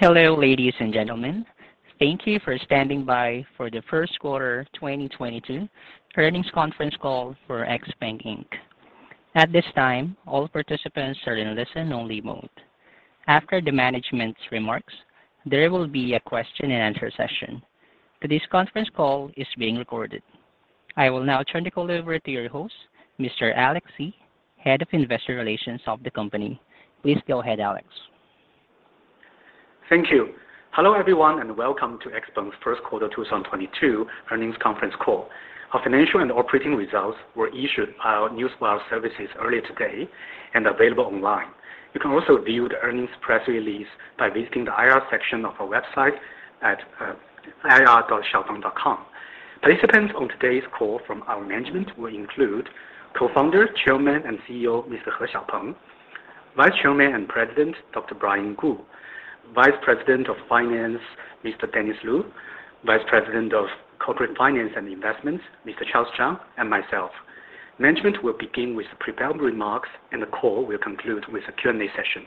Hello, ladies and gentlemen. Thank you for standing by for the Q1 2022 earnings conference call for XPeng Inc. At this time, all participants are in listen only mode. After the management's remarks, there will be a question and answer session. Today's conference call is being recorded. I will now turn the call over to your host, Mr. Alex Xie, Head of Investor Relations of the company. Please go ahead, Alex. Thank you. Hello, everyone, and welcome to XPeng's Q1 2022 earnings conference call. Our financial and operating results were issued by our newswire services earlier today and available online. You can also view the earnings press release by visiting the IR section of our website at ir.xiaopeng.com. Participants on today's call from our management will include Co-founder, Chairman and CEO, Mr. He Xiaopeng; Vice Chairman and President, Dr. Brian Gu; Vice President of Finance, Mr. Dennis Lu; Vice President of Corporate Finance and Investments, Mr. Charles Zhang; and myself. Management will begin with the prepared remarks and the call will conclude with a Q&A session.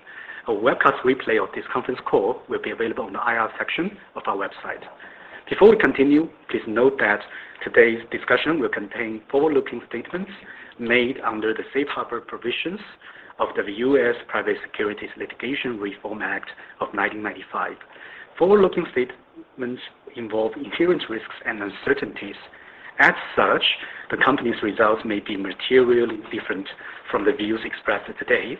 A webcast replay of this conference call will be available on the IR section of our website. Before we continue, please note that today's discussion will contain forward-looking statements made under the Safe Harbor provisions of the US Private Securities Litigation Reform Act of 1995. Forward-looking statements involve inherent risks and uncertainties. As such, the company's results may be materially different from the views expressed today.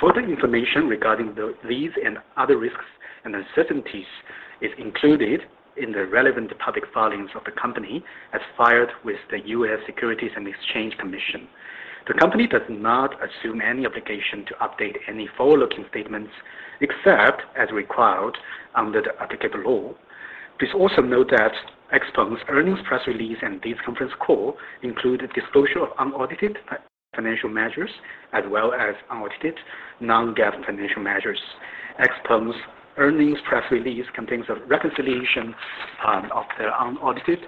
Further information regarding these and other risks and uncertainties is included in the relevant public filings of the company as filed with the US Securities and Exchange Commission. The company does not assume any obligation to update any forward-looking statements except as required under the applicable law. Please also note that XPeng's earnings press release and this conference call include disclosure of unaudited financial measures as well as unaudited non-GAAP financial measures. XPeng's earnings press release contains a reconciliation of the unaudited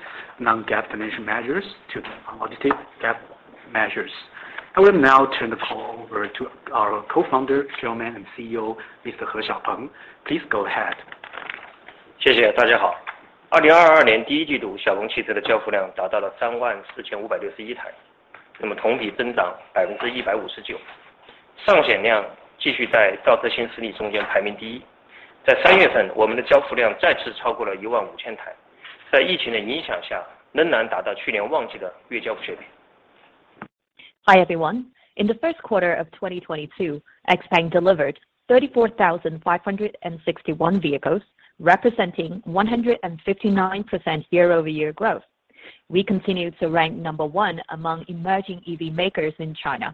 non-GAAP financial measures to the unaudited GAAP measures. I will now turn the call over to our Co-founder, Chairman and CEO, Mr. He Xiaopeng. Please go ahead. Hi, everyone. In the Q1 of 2022, XPeng delivered 34,561 vehicles, representing 159% year-over-year growth. We continued to rank number one among emerging EV makers in China,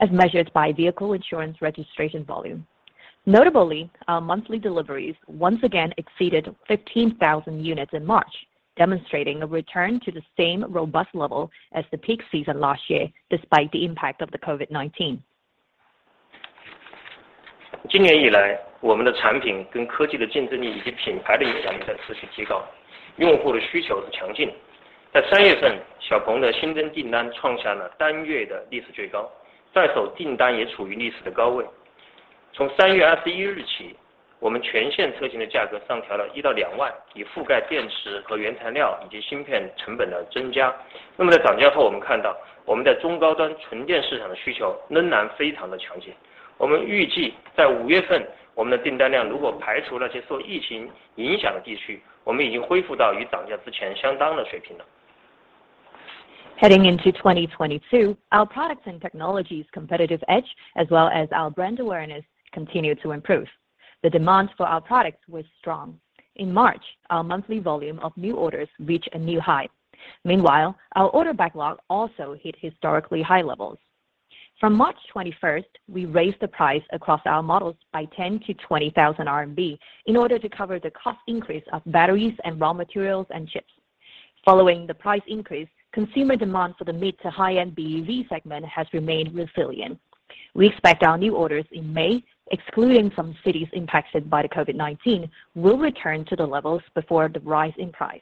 as measured by vehicle insurance registration volume. Notably, our monthly deliveries once again exceeded 15,000 units in March, demonstrating a return to the same robust level as the peak season last year, despite the impact of the COVID-19. Heading into 2022, our products and technologies competitive edge, as well as our brand awareness, continued to improve. The demand for our products was strong. In March, our monthly volume of new orders reached a new high. Meanwhile, our order backlog also hit historically high levels. From March 21st, we raised the price across our models by 10,000-20,000 RMB in order to cover the cost increase of batteries and raw materials and chips. Following the price increase, consumer demand for the mid to high-end BEV segment has remained resilient. We expect our new orders in May, excluding some cities impacted by the COVID-19, will return to the levels before the rise in price.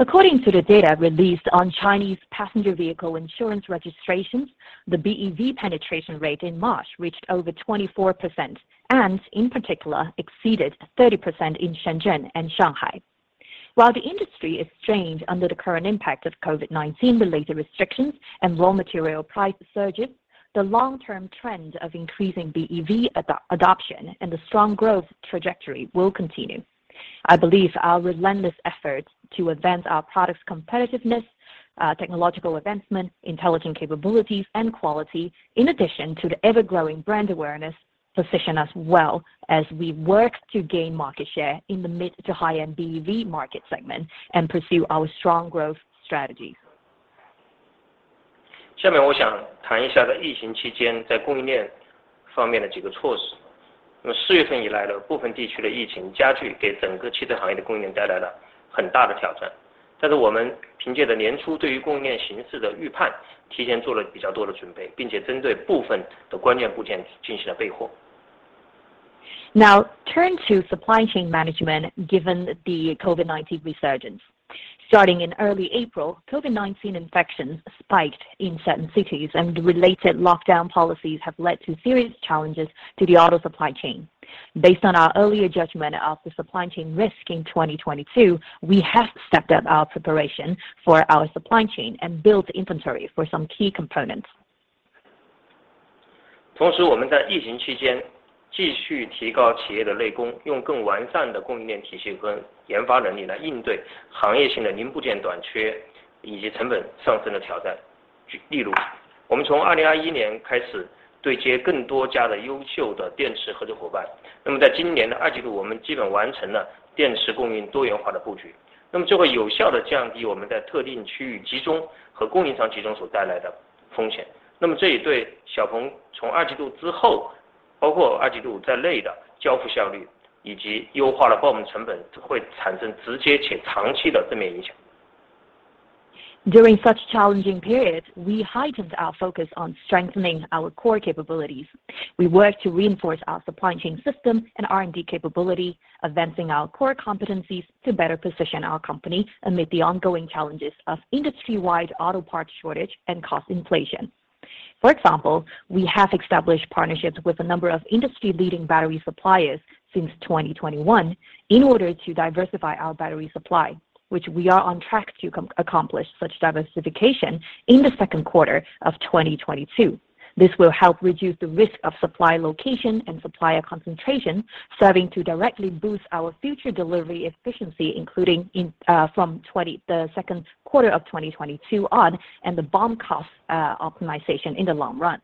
According to the data released on Chinese passenger vehicle insurance registrations, the BEV penetration rate in March reached over 24% and, in particular, exceeded 30% in Shenzhen and Shanghai. While the industry is strained under the current impact of COVID-19 related restrictions and raw material price surges, the long term trend of increasing BEV adoption and the strong growth trajectory will continue. I believe our relentless efforts to advance our product's competitiveness, technological advancement, intelligent capabilities and quality, in addition to the ever-growing brand awareness position us well as we work to gain market share in the mid- to high-end BEV market segment and pursue our strong growth strategy. Now turn to supply chain management given the COVID-19 resurgence. Starting in early April, COVID-19 infections spiked in certain cities, and related lockdown policies have led to serious challenges to the auto supply chain. Based on our earlier judgment of the supply chain risk in 2022, we have stepped up our preparation for our supply chain and built inventory for some key components. During such challenging periods, we heightened our focus on strengthening our core capabilities. We work to reinforce our supply chain system and R&D capability, advancing our core competencies to better position our company amid the ongoing challenges of industry-wide auto parts shortage and cost inflation. For example, we have established partnerships with a number of industry-leading battery suppliers since 2021 in order to diversify our battery supply, which we are on track to accomplish such diversification in the Q2 of 2022. This will help reduce the risk of supply location and supplier concentration, serving to directly boost our future delivery efficiency, including in the Q2 of 2022 on and the BOM cost optimization in the long run.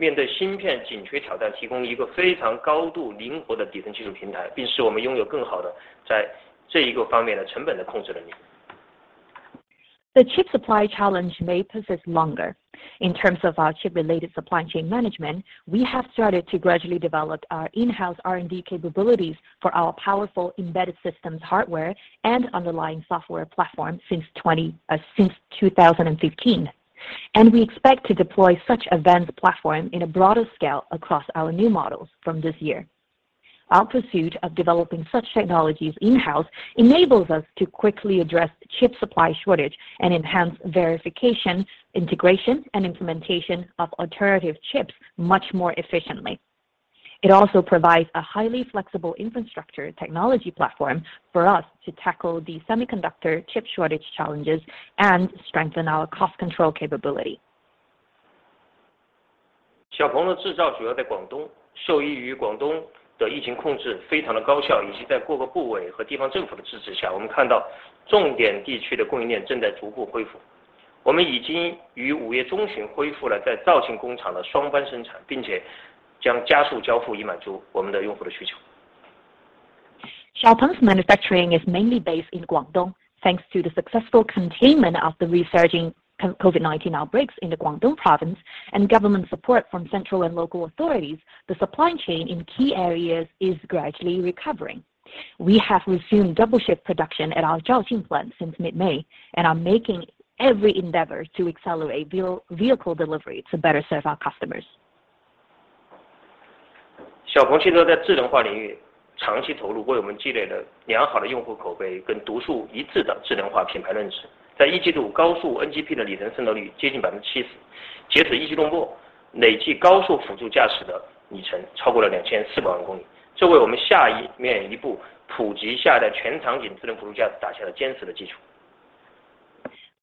The chip supply challenge may persist longer. In terms of our chip-related supply chain management, we have started to gradually develop our in-house R&D capabilities for our powerful embedded systems hardware and underlying software platform since 2015, and we expect to deploy such advanced platform in a broader scale across our new models from this year. Our pursuit of developing such technologies in-house enables us to quickly address chip supply shortage and enhance verification, integration and implementation of alternative chips much more efficiently. It also provides a highly flexible infrastructure technology platform for us to tackle the semiconductor chip shortage challenges and strengthen our cost control capability. XPeng's manufacturing is mainly based in Guangdong. Thanks to the successful containment of the resurging COVID-19 outbreaks in the Guangdong Province and government support from central and local authorities, the supply chain in key areas is gradually recovering. We have resumed double-shift production at our Zhaoqing plant since mid-May and are making every endeavor to accelerate vehicle delivery to better serve our customers.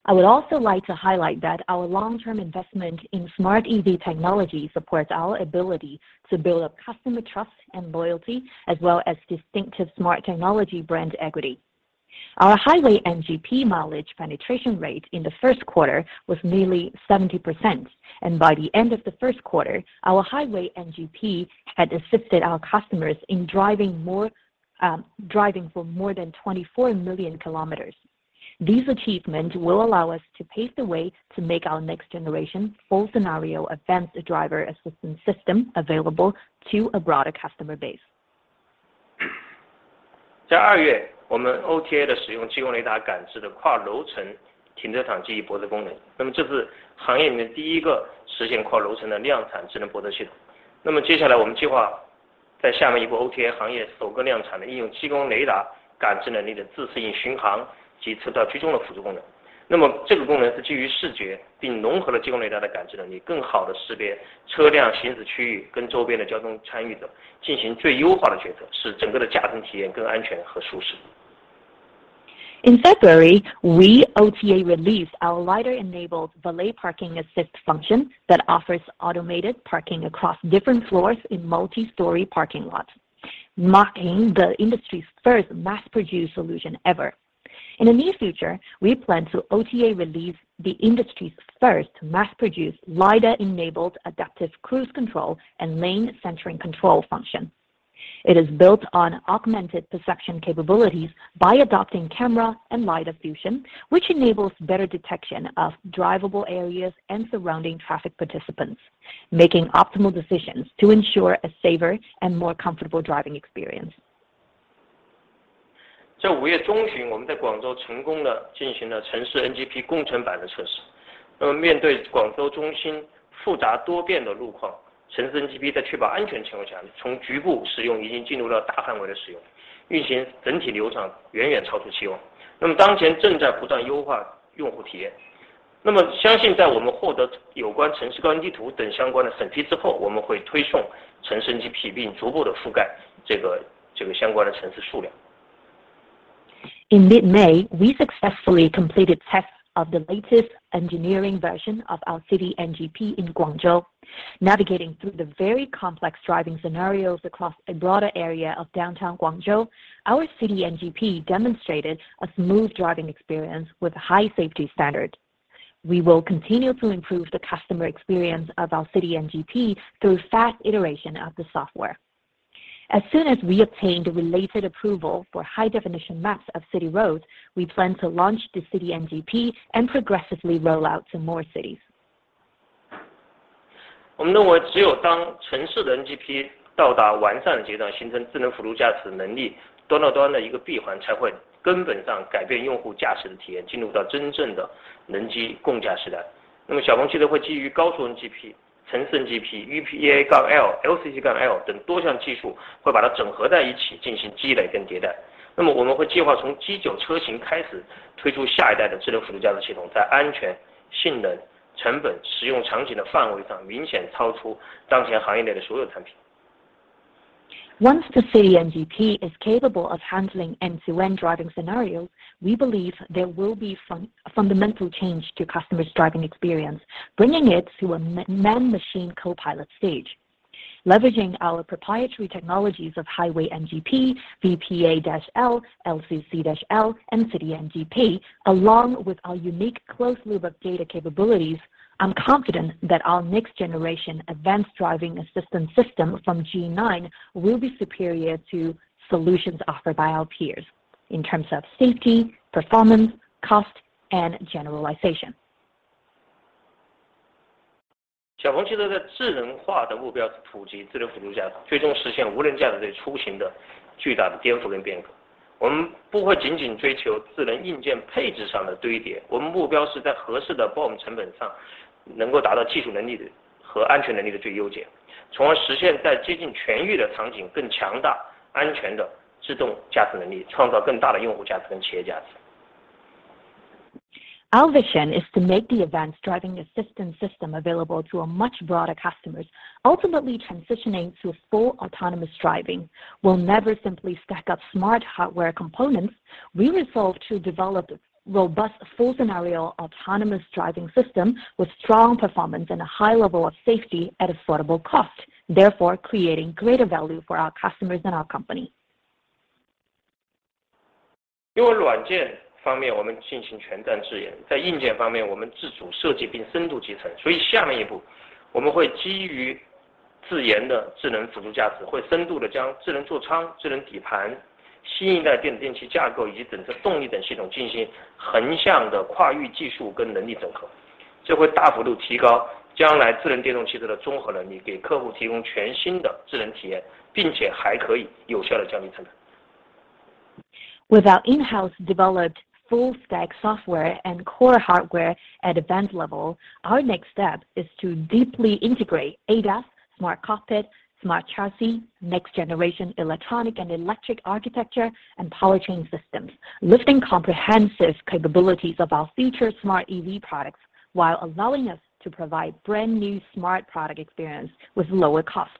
I would also like to highlight that our long-term investment in smart EV technology supports our ability to build up customer trust and loyalty, as well as distinctive smart technology brand equity. Our Highway NGP mileage penetration rate in the Q1 was nearly 70%, and by the end of the Q1, our Highway NGP had assisted our customers in driving for more than 24 million kilometers. These achievements will allow us to pave the way to make our next-generation full-scenario advanced driver assistance system available to a broader customer base. 在下一步OTA行业首个量产的应用激光雷达感知能力的自适应巡航及车道居中的辅助功能。那么这个功能是基于视觉并融合了激光雷达的感知能力，更好地识别车辆行驶区域跟周边的交通参与者进行最优化的决策，使整个的驾乘体验更安全和舒适。In February, we OTA released our LiDAR-enabled valet parking assist function that offers automated parking across different floors in multi-story parking lots, marking the industry's first mass-produced solution ever. In the near future, we plan to OTA release the industry's first mass-produced LiDAR-enabled adaptive cruise control and lane centering control function. It is built on augmented perception capabilities by adopting camera and LiDAR fusion, which enables better detection of drivable areas and surrounding traffic participants, making optimal decisions to ensure a safer and more comfortable driving experience. In mid-May, we successfully completed tests of the latest engineering version of our City NGP in Guangzhou, navigating through the very complex driving scenarios across a broader area of downtown Guangzhou. Our City NGP demonstrated a smooth driving experience with high safety standard. We will continue to improve the customer experience of our City NGP through fast iteration of the software. As soon as we obtain the related approval for high definition maps of city roads, we plan to launch the City NGP and progressively roll out to more cities. 我们认为只有当城市NGP到达完善的阶段，形成智能辅助驾驶能力，端到端的一个闭环才会根本上改变用户驾驶的体验，进入到真正的人机共驾时代。那么小鹏汽车会基于Highway NGP、City NGP、VPA-L、LCC-L等多项技术，会把它整合在一起进行积累跟迭代。那么我们会计划从G9车型开始推出下一代的智能辅助驾驶系统，在安全、性能、成本、使用场景的范围上明显超出当前行业内的所有产品。Once the City NGP is capable of handling end-to-end driving scenario, we believe there will be fundamental change to customers' driving experience, bringing it to a man-machine co-pilot stage. Leveraging our proprietary technologies of Highway NGP, VPA-L, LCC-L, and City NGP, along with our unique closed loop of data capabilities, I'm confident that our next generation advanced driver-assistance system from G9 will be superior to solutions offered by our peers in terms of safety, performance, cost, and generalization. 小鹏汽车在智能化的目标是普及智能辅助驾驶，最终实现无人驾驶这一出行的巨大的颠覆跟变革。我们不会仅仅追求智能硬件配置上的堆叠，我们目标是在合适的BOM成本上能够达到技术能力和安全能力的最优解，从而实现在接近全域的场景更强大、安全的自动驾驶能力，创造更大的用户价值跟企业价值。Our vision is to make the advanced driver-assistance system available to a much broader customers, ultimately transitioning to a full autonomous driving. We'll never simply stack up smart hardware components. We resolve to develop robust, full-scenario autonomous driving system with strong performance and a high level of safety at affordable cost, therefore creating greater value for our customers and our company. 因为软件方面我们进行全栈自研，在硬件方面我们自主设计并深度集成。所以下面一步我们会基于自研的智能辅助驾驶，会深度地将智能座舱、智能底盘、新一代电气架构以及整个动力等系统进行横向的跨域技术跟能力整合，这会大幅度提高将来智能电动汽车的综合能力，给客户提供全新的智能体验，并且还可以有效地降低成本。With our in-house developed full-stack software and core hardware at EVT level, our next step is to deeply integrate ADAS, smart cockpit, smart chassis, next-generation electronic and electrical architecture, and powertrain systems, lifting comprehensive capabilities of our future smart EV products while allowing us to provide brand-new smart product experience with lower cost.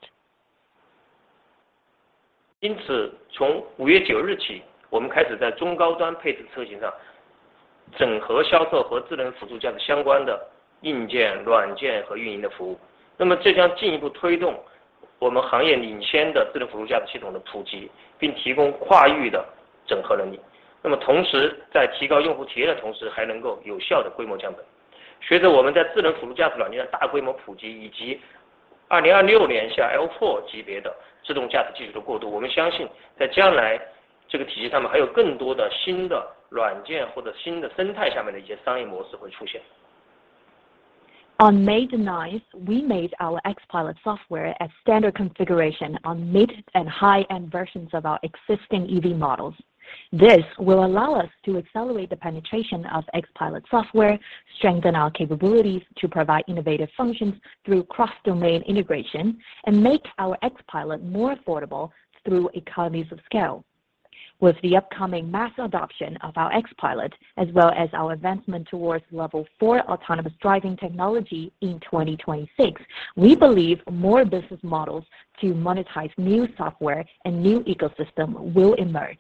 On May 9th, we made our XPILOT software a standard configuration on mid and high-end versions of our existing EV models. This will allow us to accelerate the penetration of XPILOT software, strengthen our capabilities to provide innovative functions through cross-domain integration, and make our XPILOT more affordable through economies of scale. With the upcoming mass adoption of our XPILOT, as well as our advancement towards level four autonomous driving technology in 2026, we believe more business models to monetize new software and new ecosystem will emerge.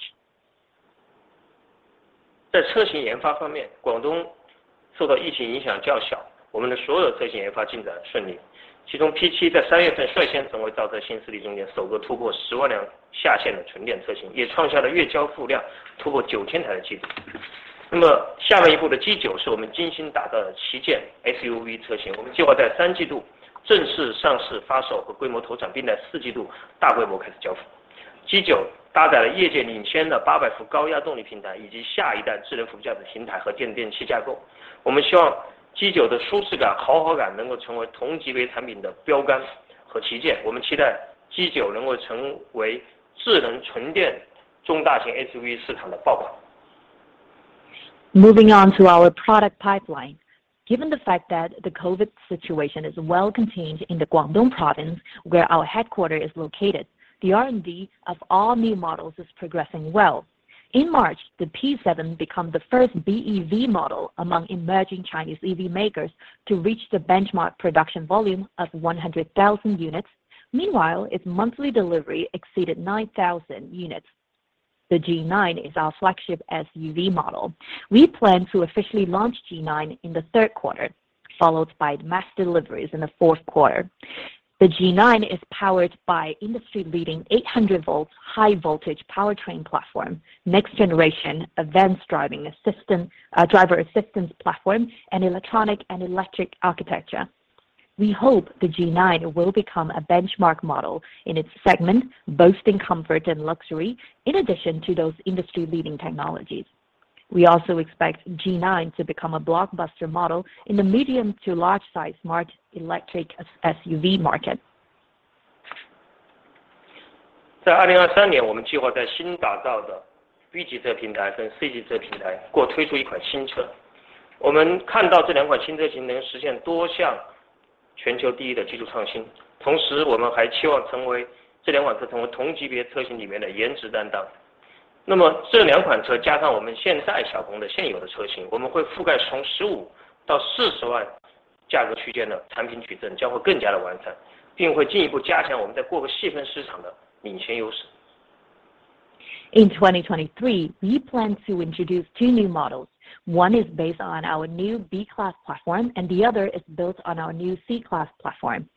Moving on to our product pipeline. Given the fact that the COVID situation is well contained in the Guangdong province, where our headquarters is located, the R&D of all new models is progressing well. In March, the P7 became the first BEV model among emerging Chinese EV makers to reach the benchmark production volume of 100,000 units. Meanwhile, its monthly delivery exceeded 9,000 units. The G9 is our flagship SUV model. We plan to officially launch G9 in the Q3, followed by mass deliveries in the Q4. The G9 is powered by industry-leading 800V high-voltage powertrain platform, next generation advanced driver assistance platform, and electronic and electric architecture. We hope the G9 will become a benchmark model in its segment, boasting comfort and luxury in addition to those industry-leading technologies. We also expect G9 to become a blockbuster model in the medium to large size smart electric SUV market. In 2023, we plan to introduce two new models. One is based on our new B-class platform, and the other is built on our new C-class platform.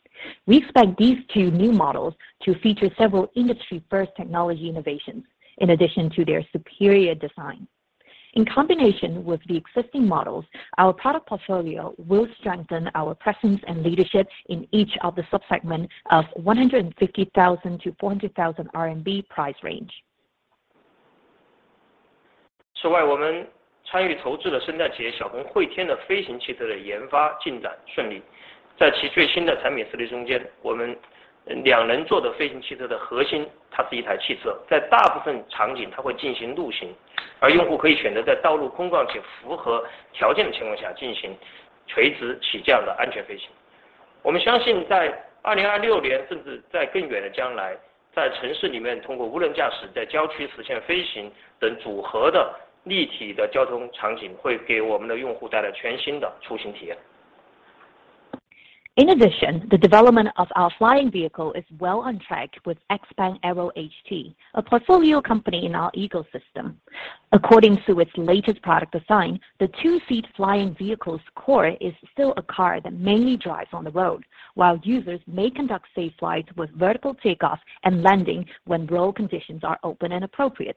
We expect these two new models to feature several industry-first technology innovations in addition to their superior design. In combination with the existing models, our product portfolio will strengthen our presence and leadership in each of the sub-segments of the CNY 150,000-CNY 400,000 price range. In addition, the development of our flying vehicle is well on track with XPeng AeroHT, a portfolio company in our ecosystem. According to its latest product design, the two-seat flying vehicle's core is still a car that mainly drives on the road, while users may conduct safe flights with vertical takeoff and landing when road conditions are open and appropriate.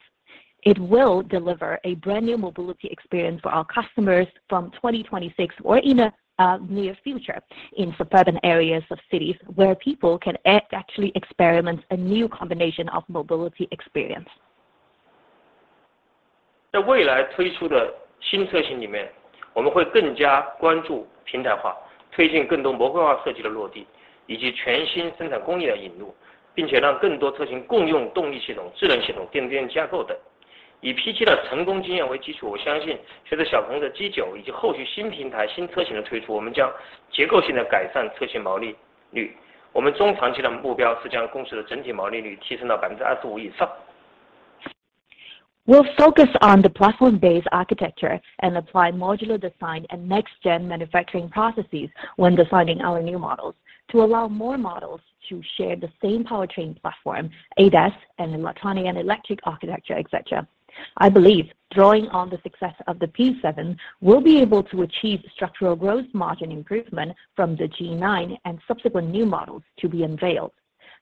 It will deliver a brand-new mobility experience for our customers from 2026 or in a near future in suburban areas of cities where people can actually experience a new combination of mobility experience. We'll focus on the platform-based architecture and apply modular design and next-gen manufacturing processes when designing our new models to allow more models to share the same powertrain platform, ADAS, and electronic and electric architecture, et cetera. I believe drawing on the success of the P7, we'll be able to achieve structural growth margin improvement from the G9 and subsequent new models to be unveiled.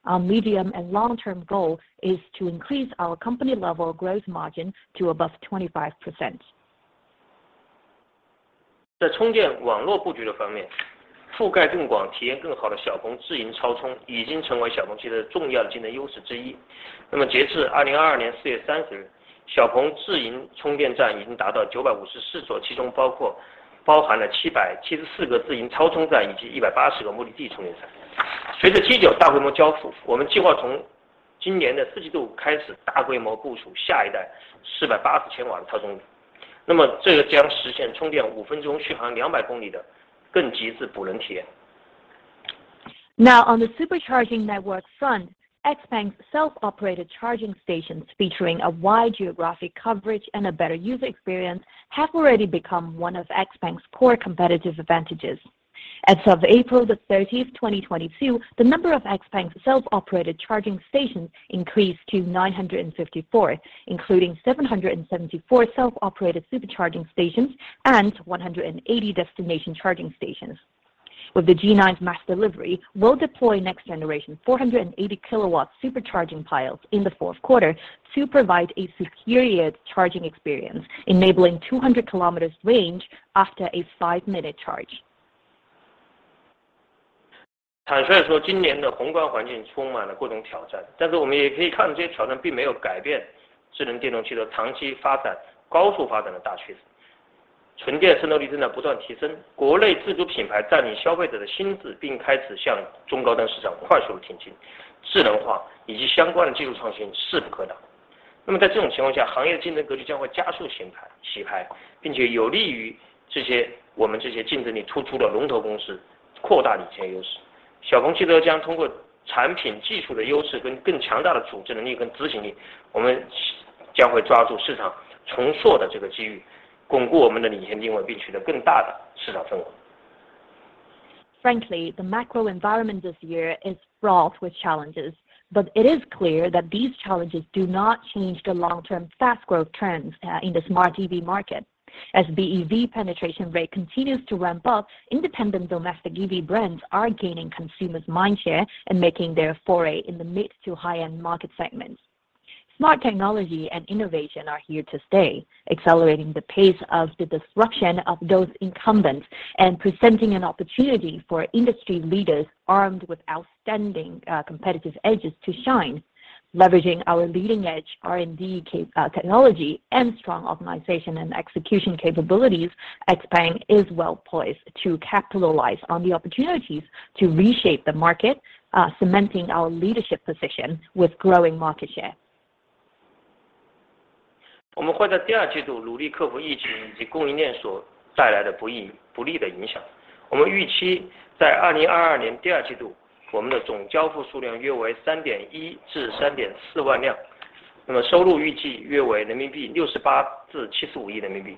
Our medium and long-term goal is to increase our company-level growth margin to above 25%. 随着G9大规模交付，我们计划从今年的四季度开始大规模部署下一代480千瓦的超充。那么这个将实现充电五分钟续航两百公里的更极致补能体验。Now, on the supercharging network front, XPeng's self-operated charging stations featuring a wide geographic coverage and a better user experience have already become one of XPeng's core competitive advantages. As of April the 30th, 2022, the number of XPeng's self-operated charging stations increased to 954, including 774 self-operated supercharging stations and 180 destination charging stations. With the G9's mass delivery, we'll deploy next-generation 480 kW supercharging piles in the Q4 to provide a superior charging experience, enabling 200 km range after a five-minute charge. Frankly, the macro environment this year is fraught with challenges, but it is clear that these challenges do not change the long-term fast growth trends in the smart EV market. As BEV penetration rate continues to ramp up, independent domestic EV brands are gaining consumers' mindshare and making their foray in the mid to high-end market segments. Smart technology and innovation are here to stay, accelerating the pace of the disruption of those incumbents and presenting an opportunity for industry leaders armed with outstanding competitive edges to shine. Leveraging our leading-edge R&D technology and strong optimization and execution capabilities, XPeng is well-poised to capitalize on the opportunities to reshape the market, cementing our leadership position with growing market share. 我们会在第二季度努力克服疫情以及供应链所带来的不利影响。我们预期在2022年第二季度，我们的总交付数量约为3.1至3.4万辆，那么收入预计约为人民币68至75亿人民币。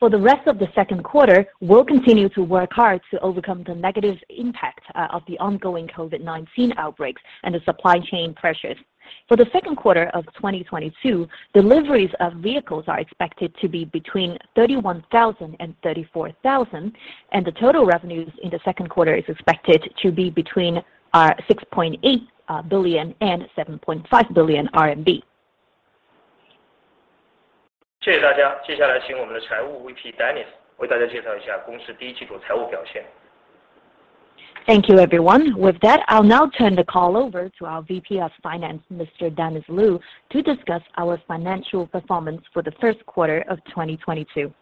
For the rest of the Q2, we'll continue to work hard to overcome the negative impact of the ongoing COVID-19 outbreaks and the supply chain pressures. For the Q2 of 2022, deliveries of vehicles are expected to be between 31,000 and 34,000, and the total revenues in the Q2 is expected to be between 6.8 billion and 7.5 billion RMB RMB. 谢谢大家。接下来请我们的财务VP Dennis为大家介绍一下公司第一季度财务表现。Thank you, everyone. With that, I'll now turn the call over to our VP of Finance, Mr. Dennis Lu, to discuss our financial performance for the Q1 of 2022.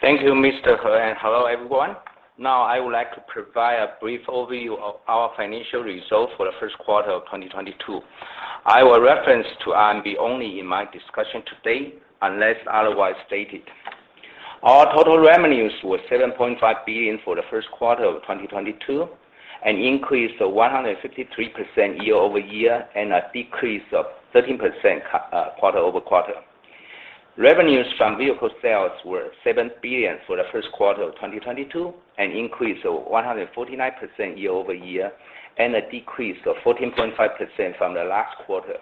Thank you, Mr. He, and hello, everyone. Now I would like to provide a brief overview of our financial results for the Q1 of 2022. I will reference to RMB only in my discussion today, unless otherwise stated. Our total revenues were 7.5 billion for the Q1 of 2022, an increase of 153% year-over-year and a decrease of 13% quarter-over-quarter. Revenues from vehicle sales were 7 billion for the Q1 of 2022, an increase of 149% year-over-year and a decrease of 14.5% from the last quarter.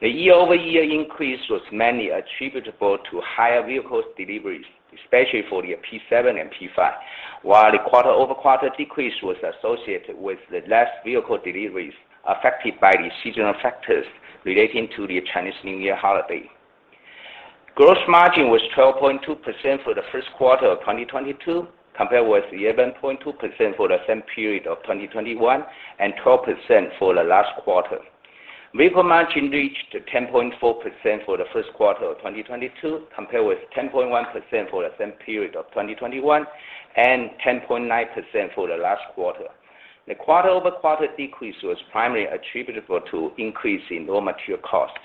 The year-over-year increase was mainly attributable to higher vehicles deliveries, especially for the P7 and P5, while the quarter-over-quarter decrease was associated with the less vehicle deliveries affected by the seasonal factors relating to the Chinese New Year holiday. Gross margin was 12.2% for the Q1 of 2022, compared with 11.2% for the same period of 2021 and 12% for the last quarter. Vehicle margin reached 10.4% for the Q1 of 2022, compared with 10.1% for the same period of 2021 and 10.9% for the last quarter. The quarter-over-quarter decrease was primarily attributable to increase in raw material costs.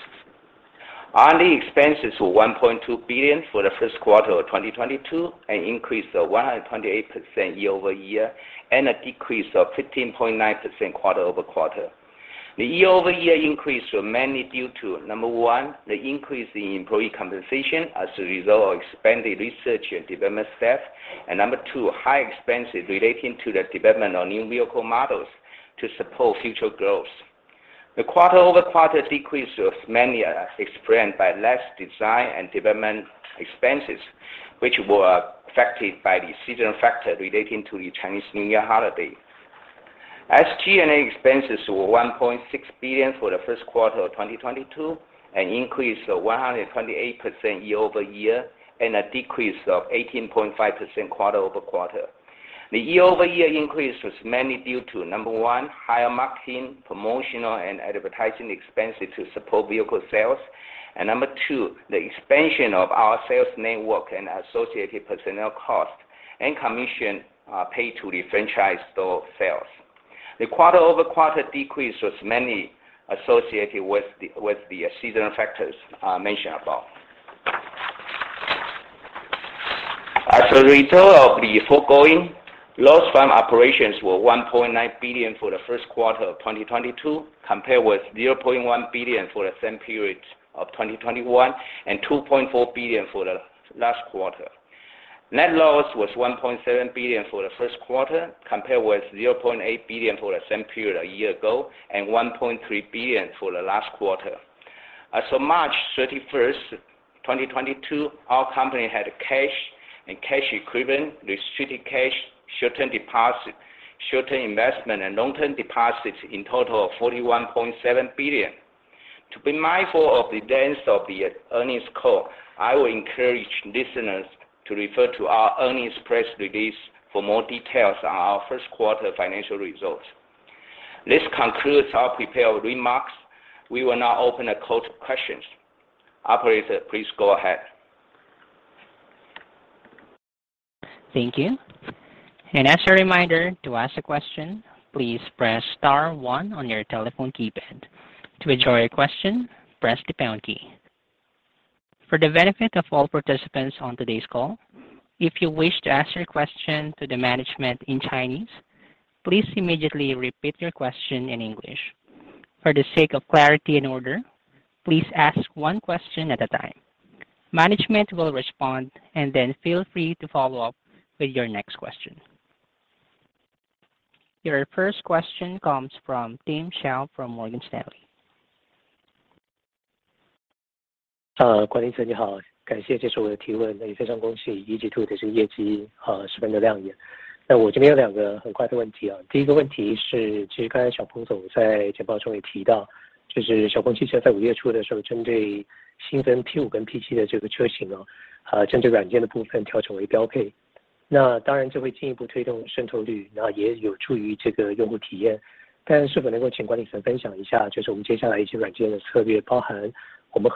R&D expenses were 1.2 billion for the Q1 of 2022, an increase of 128% year-over-year and a decrease of 15.9% quarter-over-quarter. The year-over-year increase were mainly due to, number one, the increase in employee compensation as a result of expanded research and development staff, and number two, higher expenses relating to the development of new vehicle models to support future growth. The quarter-over-quarter decrease was mainly explained by less design and development expenses, which were affected by the seasonal factor relating to the Chinese New Year holiday. SG&A expenses were 1.6 billion for the Q1 of 2022, an increase of 128% year-over-year and a decrease of 18.5% quarter-over-quarter. The year-over-year increase was mainly due to, number one, higher marketing, promotional, and advertising expenses to support vehicle sales. Number two, the expansion of our sales network and associated personnel cost and commission paid to the franchise store sales. The quarter-over-quarter decrease was mainly associated with the seasonal factors mentioned above. As a result of the foregoing, loss from operations were 1.9 billion for the Q1 of 2022, compared with 0.1 billion for the same period of 2021, and 2.4 billion for the last quarter. Net loss was 1.7 billion for the Q1, compared with 0.8 billion for the same period a year ago, and 1.3 billion for the last quarter. As of March 31, 2022, our company had cash and cash equivalents, restricted cash, short-term deposits, short-term investments and long-term deposits in total of 41.7 billion. To be mindful of the length of the earnings call, I will encourage listeners to refer to our earnings press release for more details on our Q1 financial results. This concludes our prepared remarks. We will now open the call to questions. Operator, please go ahead. Thank you. As a reminder, to ask a question, please press star one on your telephone keypad. To withdraw your question, press the pound key. For the benefit of all participants on today's call, if you wish to ask your question to the management in Chinese, please immediately repeat your question in English. For the sake of clarity and order, please ask one question at a time. Management will respond, and then feel free to follow up with your next question. Your first question comes from Tim Hsiao from Morgan Stanley. Uh,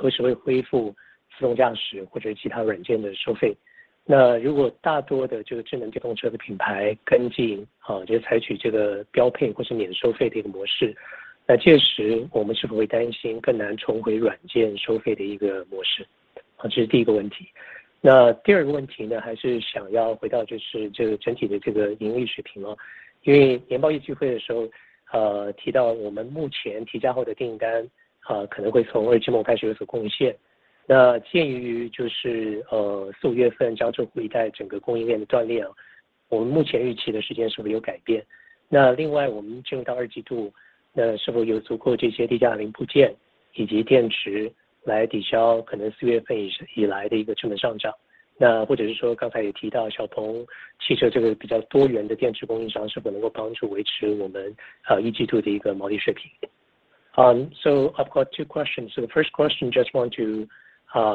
I've got two questions. The first question, just want to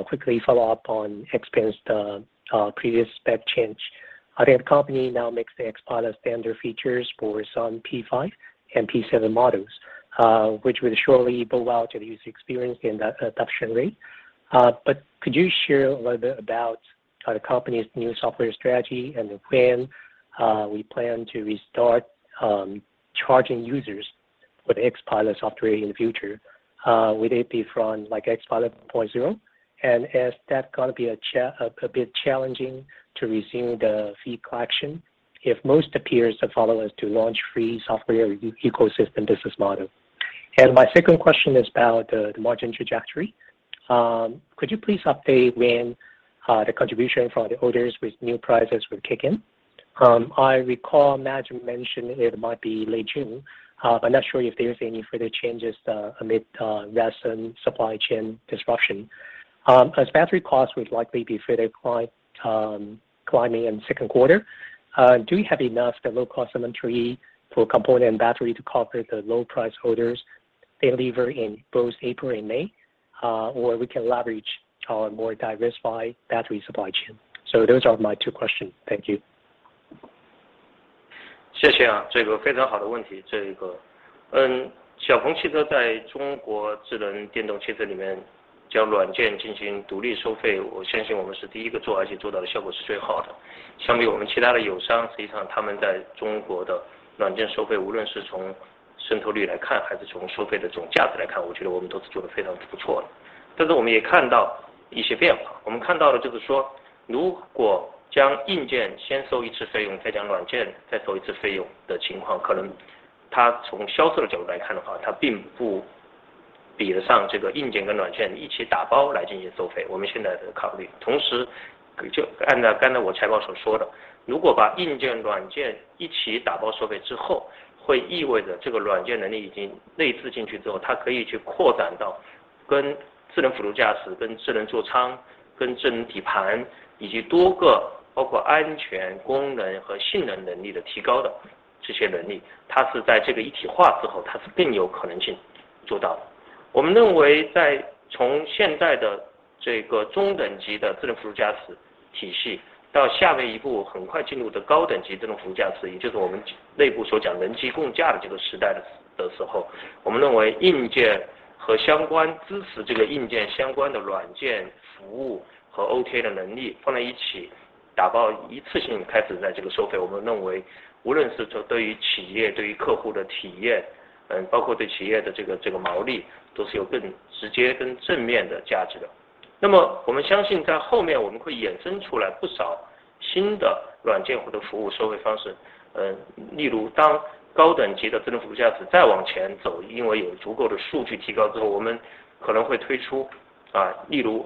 quickly follow up on XPeng's previous spec change. I think the company now makes the XPILOT standard features for some P5 and P7 models, which will surely build out to the user experience and the adoption rate. But could you share a little bit about the company's new software strategy and when we plan to restart charging users for the XPILOT software in the future? Will it be from, like, XPILOT 4.0? And is that gonna be a bit challenging to resume the fee collection if most peers appear to follow us to launch free software ecosystem business model? My second question is about the margin trajectory. Could you please update when the contribution from the orders with new prices will kick in? I recall management mentioned it might be late June, but not sure if there is any further changes amid recent supply chain disruption. As battery costs would likely be further climbing in Q2, do you have enough low-cost inventory for component and battery to cover the low price orders delivered in both April and May, or we can leverage our more diversified battery supply chain? Those are my two questions. Thank you. Thank you.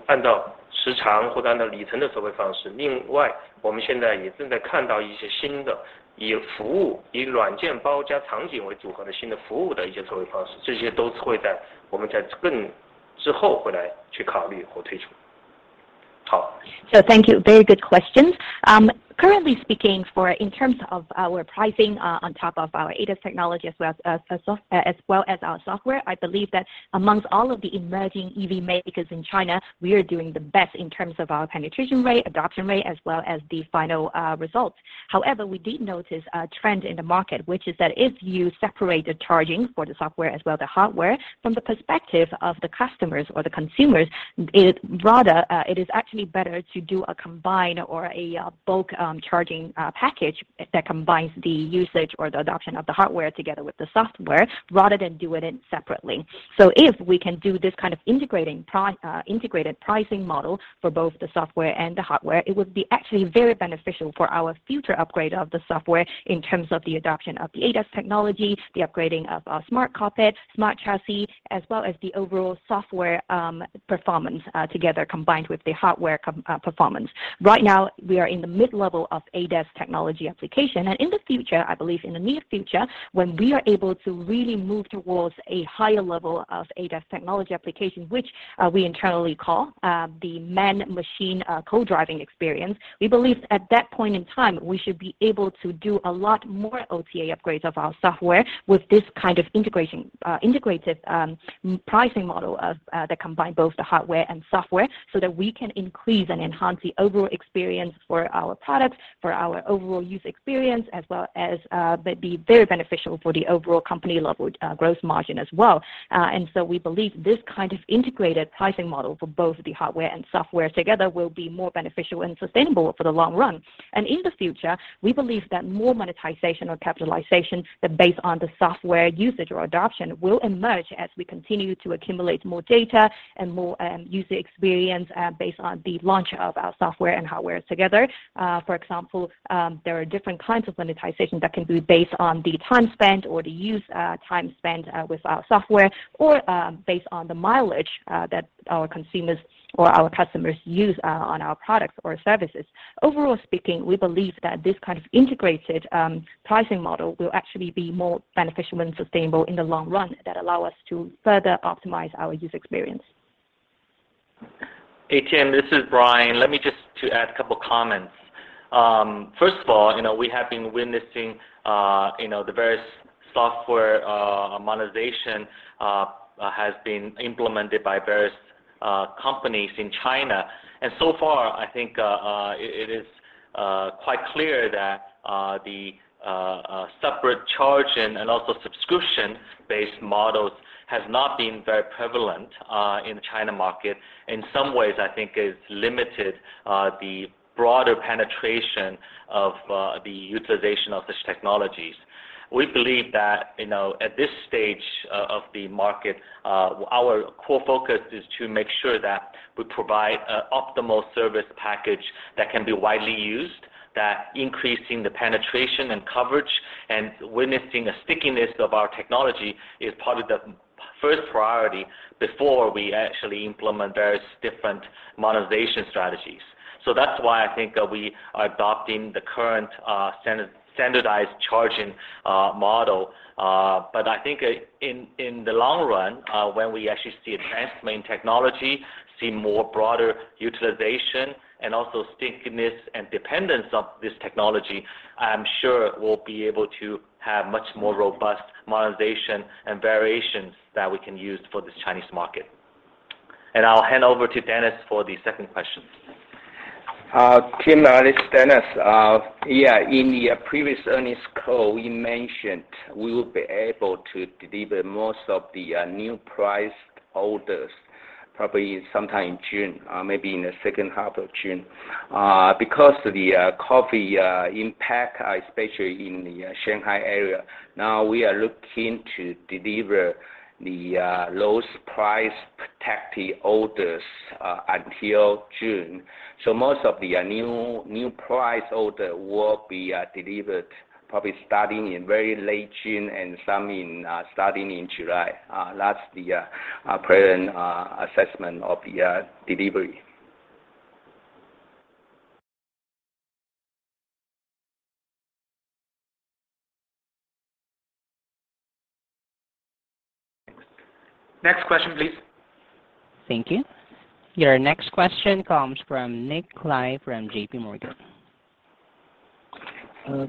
Very good question. Currently speaking in terms of our pricing on top of our ADAS technology as well as our software, I believe that amongst all of the emerging EV makers in China, we are doing the best in terms of our penetration rate, adoption rate as well as the final results. However, we did notice a trend in the market, which is that if you separate the charging for the software as well as the hardware from the perspective of the customers or the consumers, it is actually better to do a combined or a bulk charging package that combines the usage or the adoption of the hardware together with the software rather than doing it separately. If we can do this kind of integrated pricing model for both the software and the hardware, it would be actually very beneficial for our future upgrade of the software in terms of the adoption of the ADAS technology, the upgrading of smart cockpit, smart chassis, as well as the overall software performance together combined with the hardware performance. Right now, we are in the mid-level of ADAS technology application, and in the future, I believe in the near future, when we are able to really move towards a higher level of ADAS technology application, which we internally call the man-machine co-driving experience, we believe at that point in time, we should be able to do a lot more OTA upgrades of our software with this kind of integrated pricing model that combines both the hardware and software so that we can increase and enhance the overall experience for our products, for our overall user experience, as well as be very beneficial for the overall company-level gross margin as well. We believe this kind of integrated pricing model for both the hardware and software together will be more beneficial and sustainable for the long run. In the future, we believe that more monetization or capitalization that based on the software usage or adoption will emerge as we continue to accumulate more data and more user experience based on the launch of our software and hardware together. For example, there are different kinds of monetization that can be based on the time spent with our software or based on the mileage that our consumers or our customers use on our products or services. Overall speaking, we believe that this kind of integrated pricing model will actually be more beneficial and sustainable in the long run that allow us to further optimize our user experience. Hey, Tim, this is Brian. Let me just to add a couple comments. First of all, you know, we have been witnessing, you know, the various software monetization has been implemented by various companies in China. So far, I think, it is quite clear that the separate charge and also subscription-based models has not been very prevalent in China market. In some ways, I think it's limited the broader penetration of the utilization of these technologies. We believe that, you know, at this stage of the market, our core focus is to make sure that we provide optimal service package that can be widely used, that increasing the penetration and coverage and witnessing the stickiness of our technology is probably the first priority before we actually implement various different monetization strategies. That's why I think we are adopting the current standardized charging model. But I think in the long run when we actually see advancement in technology, see more broader utilization and also stickiness and dependence of this technology, I'm sure we'll be able to have much more robust monetization and variations that we can use for the Chinese market. I'll hand over to Dennis for the second question. Tim, this is Dennis. In the previous earnings call, you mentioned we will be able to deliver most of the new priced orders probably sometime in June, maybe in the H2 of June. Because of the COVID impact, especially in the Shanghai area, now we are looking to deliver the lowest price protected orders until June. Most of the new price order will be delivered probably starting in very late June and some starting in July. That's the current assessment of the delivery. Next question, please. Thank you. Your next question comes from Nick Lai from JPMorgan.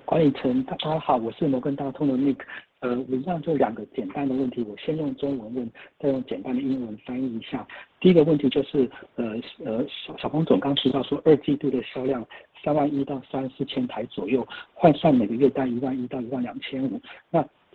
管理层大家好，我是摩根大通的Nick。我想问两个简单的问题，我先用中文问，再用简单的英文翻译一下。第一个问题就是，小鹏总刚说到说二季度的销量三万一到三万四千台左右，换算每个月在一万一到一万两千五，那这个跟我们的这个产能是可以理解说我们现在因为受到这个芯片制约等等原因，那损失的production在五六月份制约的这个影响大概是20%~30%，这样理解对吗？然后这个是20%~30%这个production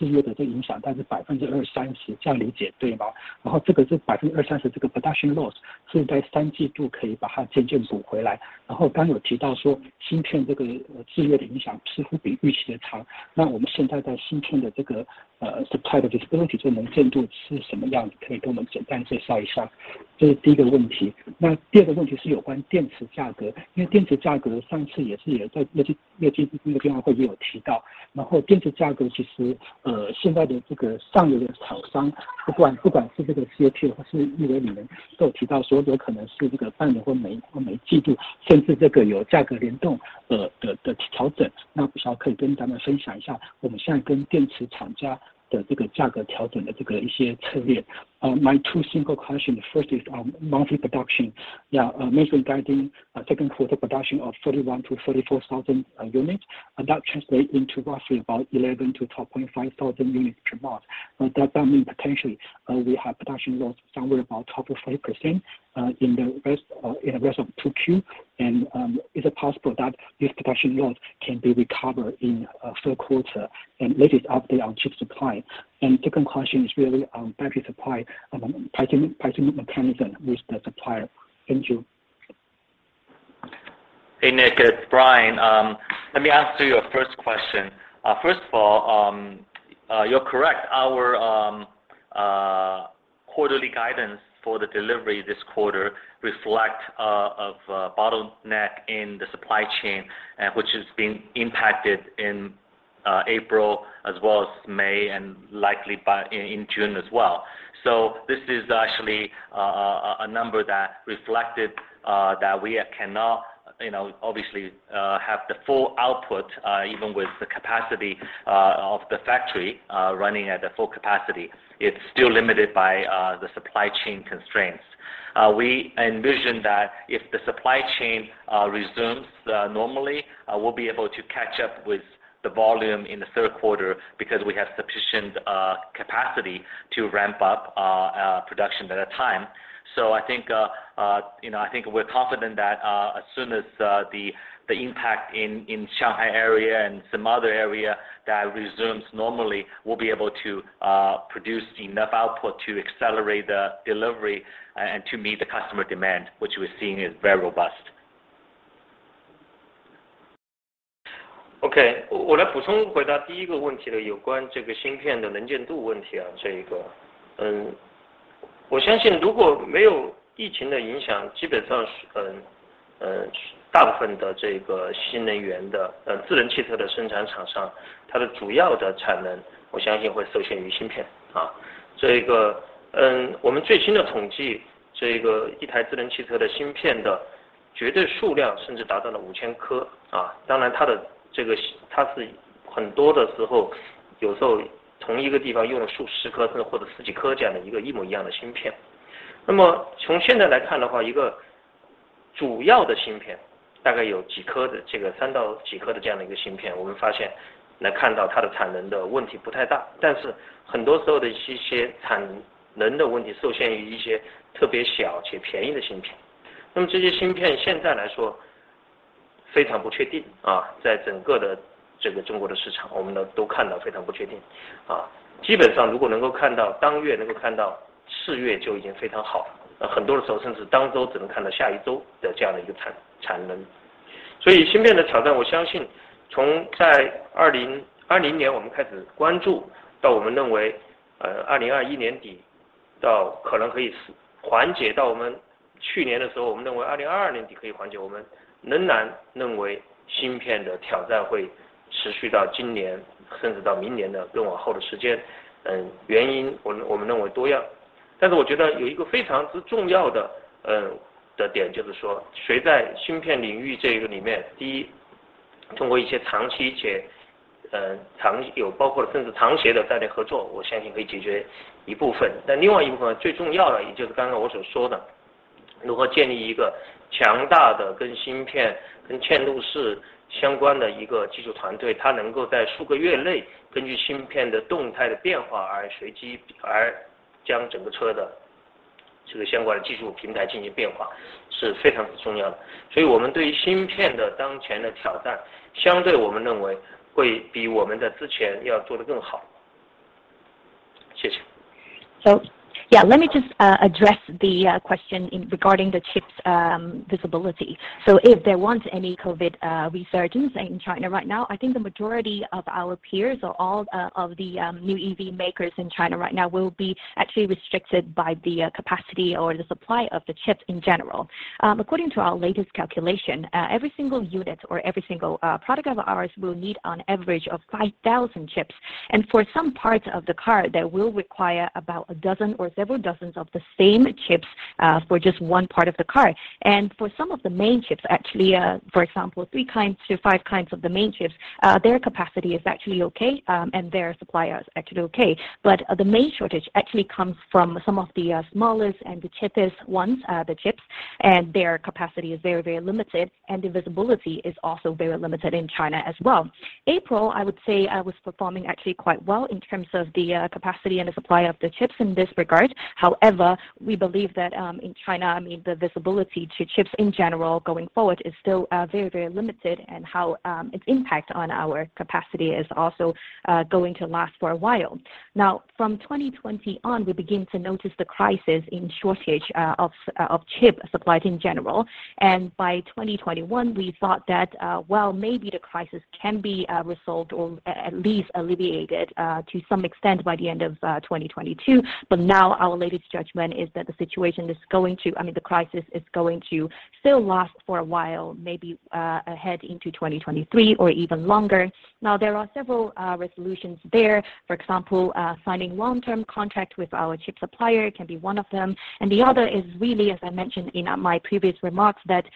loss是不是在三季度可以把它渐渐补回来。然后刚刚有提到说芯片这个制约的影响似乎比预期的长，那我们现在的芯片的这个supply，就是供应产能是什么样，可以给我们简单介绍一下。这是第一个问题。那第二个问题是有关电池价格，因为电池价格上次也是在业绩的电话会议有提到，然后电池价格其实现在的这个上游的厂商，不管是这个CATL还是宁德时代都有提到说有可能是这个半年或每季度甚至这个有价格联动的调整，那不晓得可以跟咱们分享一下我们现在跟电池厂家的这个价格调整的一些策略。My two simple questions. First is on monthly production. Yeah, management guiding Q2 production of 31,000-34,000 units. That translate into roughly about 11,000-12,500 units per month. Does that mean potentially we have production loss somewhere about 12.5% in the rest of 2Q? Is it possible that this production loss can be recovered in Q3r? Latest update on chip supply. Second question is really on battery supply, pricing mechanism with the supplier. Thank you. Hey, Nick. It's Brian. Let me answer your first question. First of all, you're correct. Our quarterly guidance for the delivery this quarter reflects a bottleneck in the supply chain, which has been impacted in April as well as May and likely in June as well. This is actually a number that reflects that we cannot, you know, obviously, have the full output even with the capacity of the factory running at the full capacity. It's still limited by the supply chain constraints. We envision that if the supply chain resumes normally, we'll be able to catch up with the volume in the Q3 because we have sufficient capacity to ramp up production at a time. I think, you know, I think we're confident that, as soon as the impact in Shanghai area and some other area that resumes normally, we'll be able to produce enough output to accelerate the delivery, and to meet the customer demand, which we're seeing is very robust. 我来补充回答第一个问题，有关这个芯片的能见度问题。我相信如果没有疫情的影响，基本上大部分的这个新能源的智能汽车的生产厂商，它的主要的产能我相信会受限于芯片。这一个，我们最新的统计，一台智能汽车的芯片的绝对数量甚至达到了五千颗，当然它的这个，很多的时候，有时候同一个地方用了数十颗甚至或者十几颗这样的一模一样的芯片。那么从现在来看的话，一个主要的芯片大概有几颗的，这个三到几颗的这样的一个芯片，我们发现能看到它的产能的问题不太大，但是很多时候的一些产能的问题受限于一些特别小且便宜的芯片，那么这些芯片现在来说非常不确定，在整个的这个中国的市场，我们都看到非常不确定。基本上如果能够看到当月能够看到次月就已经非常好了，很多的时候甚至当周只能看到下一周的这样的一个产能。所以芯片的挑战我相信从在二零... 二零年我们开始关注，到我们认为二零二一年底可以缓解，到我们去年的时候，我们认为二零二二年底可以缓解，我们仍然认为芯片的挑战会持续到今年甚至到明年的更往后的时间。原因我们认为多样，但是我觉得有一个非常之重要的点，就是说谁在芯片领域这个里面，第一，通过一些长期且有包括甚至长期的战略合作，我相信可以解决一部分。但另外一部分最重要的也就是刚刚我所说的，如何建立一个强大的跟芯片跟嵌入式相关的一个技术团队，它能够在数个月内根据芯片的动态的变化而随机而将整个车的这个相关的技术平台进行变化，是非常之重要的。所以我们对于芯片的当前的挑战，相对我们认为会比我们在之前要做得更好。谢谢。OK. Yeah. Let me just address the question regarding the chip visibility. If there were any COVID resurgence in China right now, I think the majority of our peers or all of the new EV makers in China right now will be actually restricted by the capacity or the supply of the chips in general. According to our latest calculation, every single unit or every single product of ours will need an average of 5,000 chips. For some parts of the car that will require about a dozen or several dozen of the same chips for just one part of the car. For some of the main chips, actually, for example, 3-5 kinds of the main chips, their capacity is actually okay, and their suppliers actually okay. The main shortage actually comes from some of the smallest and the cheapest ones, the chips, and their capacity is very very limited and the visibility is also very limited in China as well. April, I would say we were performing actually quite well in terms of the capacity and the supply of the chips in this regard. However, we believe that in China, I mean the visibility to chips in general going forward is still very very limited and how its impact on our capacity is also going to last for a while. Now from 2020 on, we begin to notice the crisis in shortage of chip supplies in general. By 2021, we thought that maybe the crisis can be resolved or at least alleviated to some extent by the end of 2022. Now our latest judgment is that the situation is going to I mean, the crisis is going to still last for a while, maybe ahead into 2023 or even longer. Now there are several resolutions there. For example, signing long-term contract with our chip supplier can be one of them. The other is really, as I mentioned in my previous remarks, that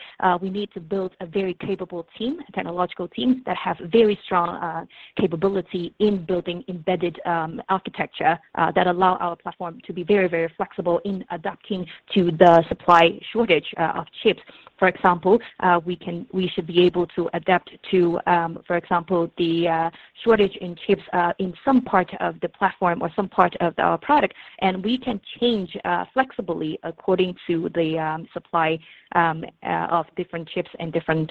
we need to build a very capable team, a technological team that has very strong capability in building embedded architecture that allow our platform to be very very flexible in adapting to the supply shortage of chips. For example, we should be able to adapt to for example, the shortage in chips in some part of the platform or some part of our product, and we can change flexibly according to the supply of different chips and different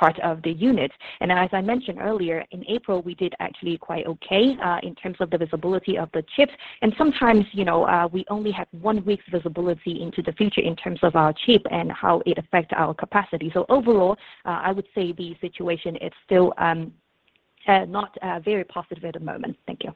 part of the unit. As I mentioned earlier in April, we did actually quite okay in terms of the visibility of the chips. Sometimes, you know, we only have one week visibility into the future in terms of our chip and how it affects our capacity. Overall, I would say the situation is still not very positive at the moment. Thank you.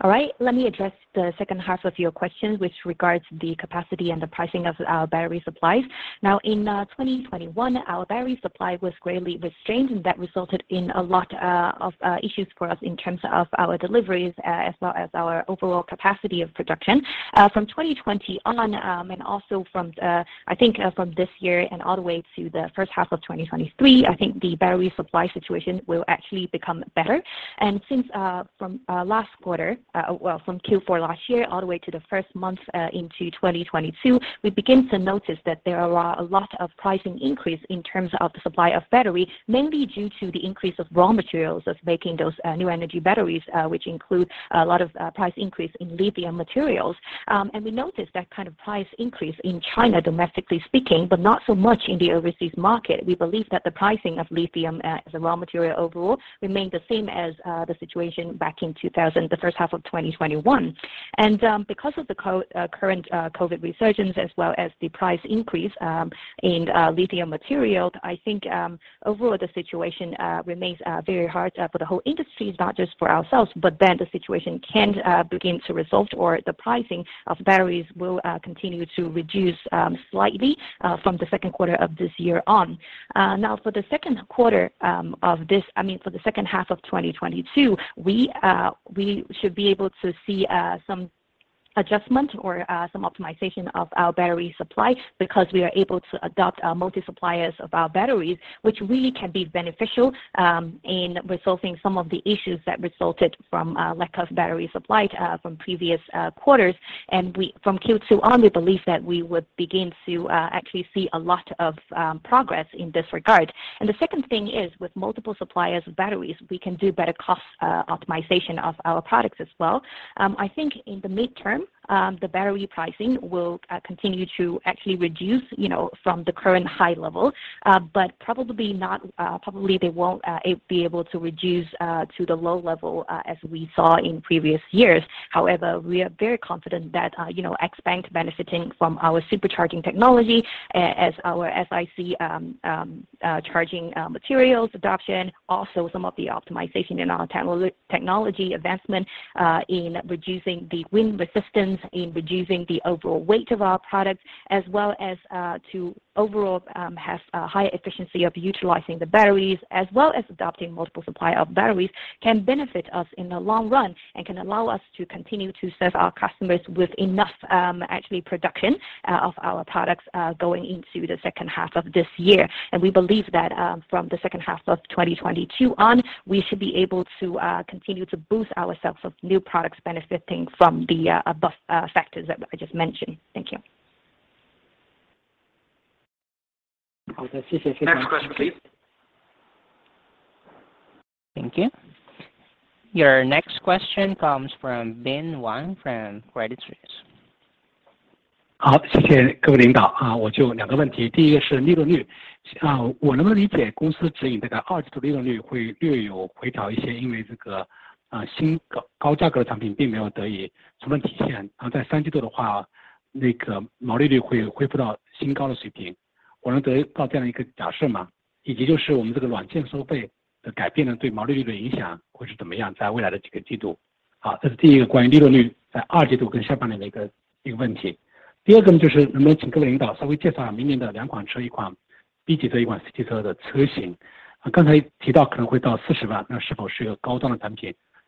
All right. Let me address the H2 of your question, which regards the capacity and the pricing of our battery supplies. Now in 2021 our battery supply was greatly restrained, and that resulted in a lot of issues for us in terms of our deliveries as well as our overall capacity of production. From 2020 on, and also, I think, from this year and all the way to the H1 of 2023, I think the battery supply situation will actually become better. From Q4 last year all the way to the first months into 2022, we begin to notice that there are a lot of pricing increase in terms of the supply of battery, mainly due to the increase of raw materials as making those new energy batteries, which include a lot of price increase in lithium materials. We noticed that kind of price increase in China domestically speaking, but not so much in the overseas market. We believe that the pricing of lithium as a raw material overall remained the same as the situation back in 2021, the H1 of 2021. Because of the current COVID resurgence as well as the price increase in lithium materials, I think overall the situation remains very hard for the whole industry, not just for ourselves, but the situation can begin to resolve or the pricing of batteries will continue to reduce slightly from the Q2 of this year on. Now, I mean, for the H2 of 2022, we should be able to see some adjustment or some optimization of our battery supply because we are able to adopt multiple suppliers of our batteries, which really can be beneficial in resolving some of the issues that resulted from a lack of battery supply from previous quarters. From Q2 on, we believe that we would begin to actually see a lot of progress in this regard. The second thing is, with multiple suppliers of batteries, we can do better cost optimization of our products as well. I think in the midterm, the battery pricing will continue to actually reduce, you know, from the current high level, but probably they won't be able to reduce to the low level as we saw in previous years. However, we are very confident that, you know, XPeng benefiting from our supercharging technology as our SiC charging materials adoption, also some of the optimization in our technology advancement, in reducing the wind resistance, in reducing the overall weight of our product, as well as to overall have a high efficiency of utilizing the batteries, as well as adopting multiple supply of batteries can benefit us in the long run and can allow us to continue to serve our customers with enough, actually production of our products going into the H2 of this year. We believe that, from the H2 of 2022 on, we should be able to continue to boost ourselves of new products benefiting from the above factors that I just mentioned. Thank you. Next question, please. Thank you. Your next question comes from Bin Wang from Credit Suisse.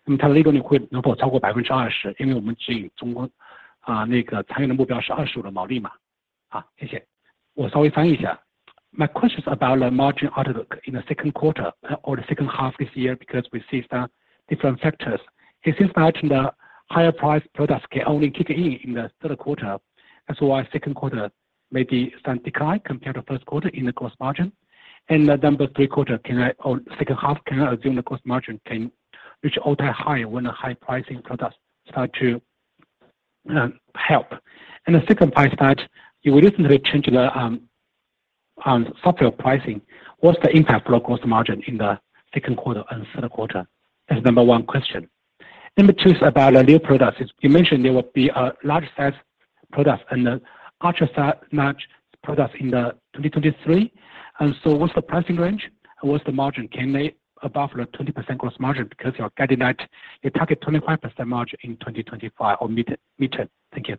My question is about the margin outlook in the Q2 or the H2 this year because we see some different factors. It seems that the higher price products can only kick in in the Q3, that's why Q2 may be some decline compared to SiC in the cost margin. The Q3 can or H2 can assume the cost margin can reach all-time high when the high pricing products start to help. The second part that you recently changed the software pricing, what's the impact for cost margin in the Q2 and Q3? That's number one question. Number two is about the new products. As you mentioned, there will be a large size products and the ultra large products in 2023. What's the pricing range? What's the margin? Can they above the 20% gross margin because you are guiding that you target 25% margin in 2025 or midterm? Thank you.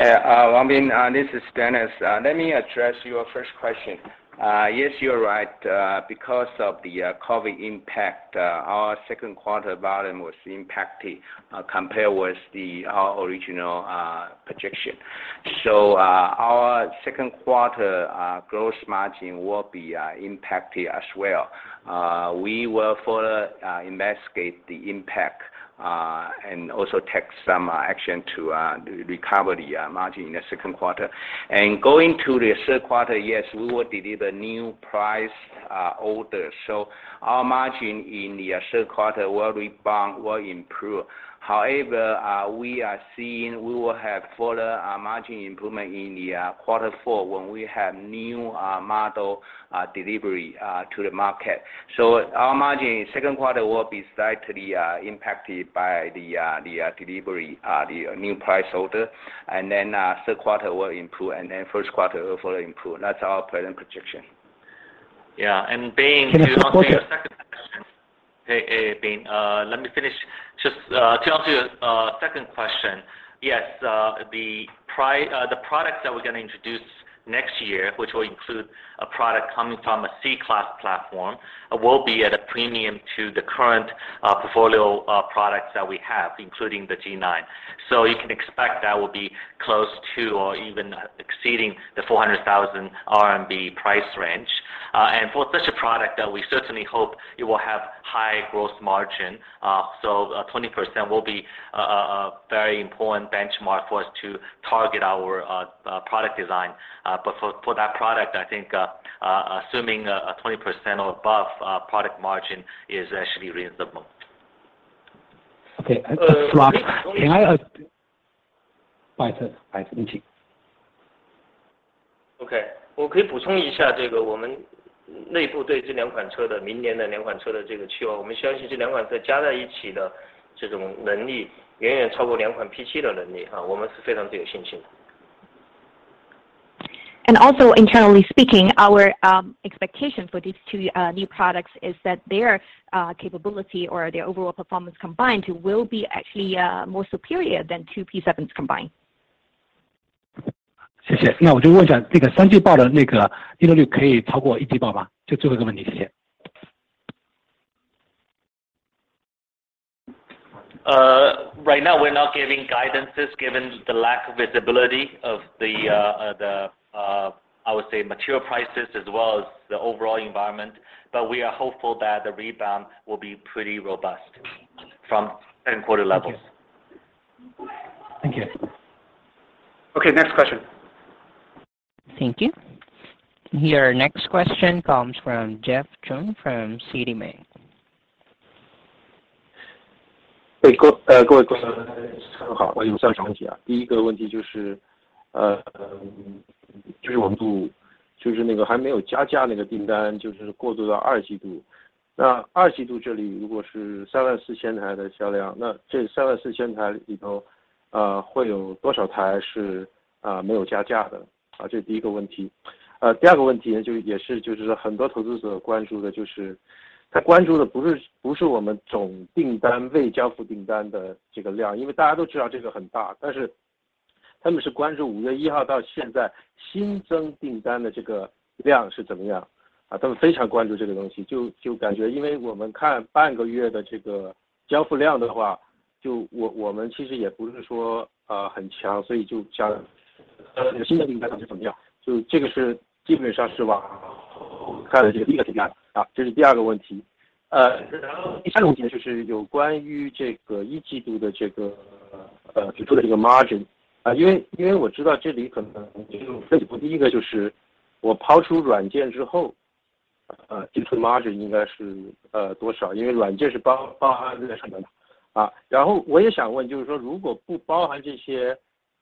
Yeah. Bin Wang, this is Dennis. Let me address your first question. Yes, you're right. Because of the COVID impact, our Q2 volume was impacted, compared with our original projection. Our Q2 gross margin will be impacted as well. We will further investigate the impact, and also take some action to recover the margin in the Q2. Going to the Q3, yes, we will deliver new price orders. Our margin in the Q3 will rebound, will improve. However, we are seeing we will have further margin improvement in the quarter four when we have new model delivery to the market. Our margin in Q2 will be slightly impacted by the delivery, the new price order. Q3 will improve, and then Q1 will further improve. That's our present projection. Yeah. Bin- Hey, hey, Bin. Let me finish. Just to answer your second question. Yes, the products that we're gonna introduce next year, which will include a product coming from a C-class platform, will be at a premium to the current portfolio products that we have, including the G9. You can expect that will be close to or even exceeding the 400,000 RMB price range, and for such a product that we certainly hope it will have high gross margin. 20% will be a very important benchmark for us to target our product design. For that product, I think, assuming a 20% or above product margin is actually reasonable. Okay. Can I ask? Also internally speaking, our expectation for these two new products is that their capability or their overall performance combined will be actually more superior than two P7s combined. Right now, we're not giving guidance given the lack of visibility of the, I would say, material prices as well as the overall environment. We are hopeful that the rebound will be pretty robust from certain quarter levels. Thank you. Okay, next question. Thank you. Your next question comes from Jeff Chung from Citibank.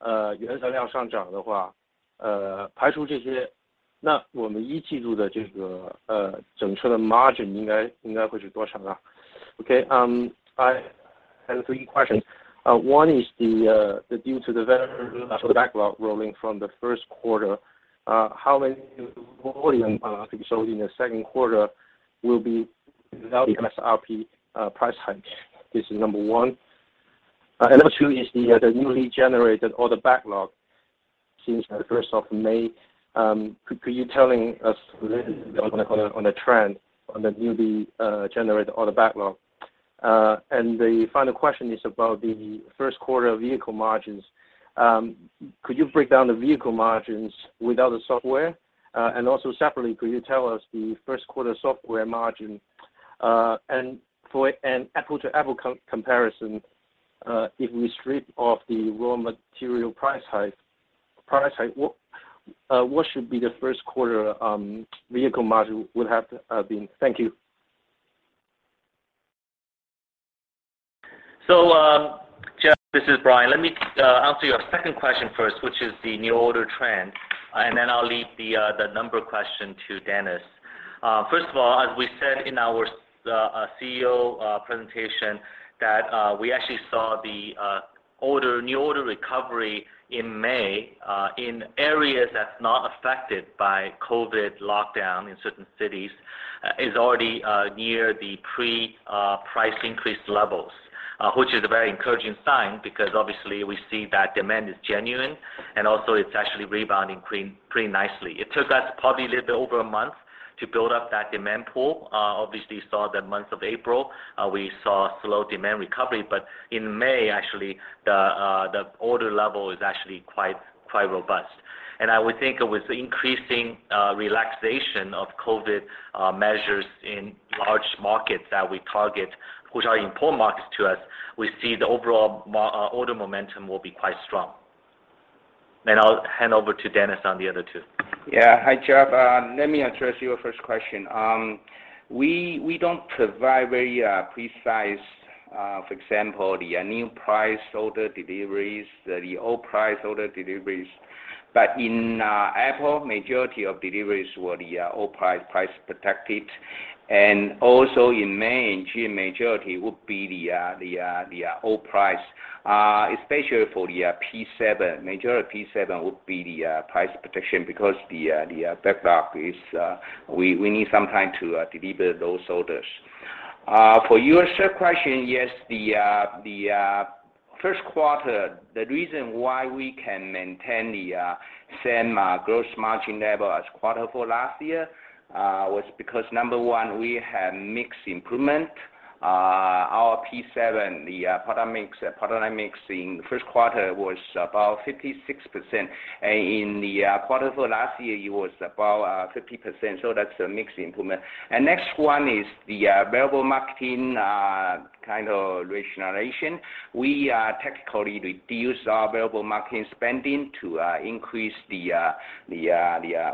Okay, I have three questions. One is due to the carryover backlog rolling from the Q1, how many in the Q2 will be without the MSRP price hike? This is number one. Number two is the newly generated order backlog since the first of May. Could you tell us the trend of the newly generated order backlog? The final question is about the Q1 vehicle margins. Could you break down the vehicle margins without the software? Also separately, could you tell us the Q1 software margin? For an apples-to-apples comparison, if we strip off the raw material price hike, what should the Q1 vehicle margin have been? Thank you. Jeff, this is Brian. Let me answer your second question first, which is the new order trend, and then I'll leave the number question to Dennis. First of all, as we said in our CEO presentation that we actually saw the new order recovery in May in areas that's not affected by COVID lockdown in certain cities is already near the pre-price increase levels. Which is a very encouraging sign because obviously we see that demand is genuine and also it's actually rebounding pretty nicely. It took us probably a little bit over a month to build up that demand pool. Obviously you saw the month of April, we saw slow demand recovery, but in May, actually the order level is actually quite robust. I would think with increasing relaxation of COVID measures in large markets that we target, which are important markets to us, we see the overall order momentum will be quite strong. I'll hand over to Dennis on the other two. Yeah. Hi, Jeff. Let me address your first question. We don't provide very precise, for example, the new price order deliveries, the old price order deliveries. In April, majority of deliveries were the old price protected. Also in May, in June, majority would be the old price, especially for the P7. Majority of P7 would be the price protection because the backlog is. We need some time to deliver those orders. For your third question, yes, the Q1, the reason why we can maintain the same gross margin level as quarter four last year was because number one, we have mixed improvement. Our P7, the product mix in the Q1 was about 56%. In the quarter four last year, it was about 50%, so that's a mixed improvement. Next one is the variable marketing kind of rationalization. We technically reduce our variable marketing spending to increase the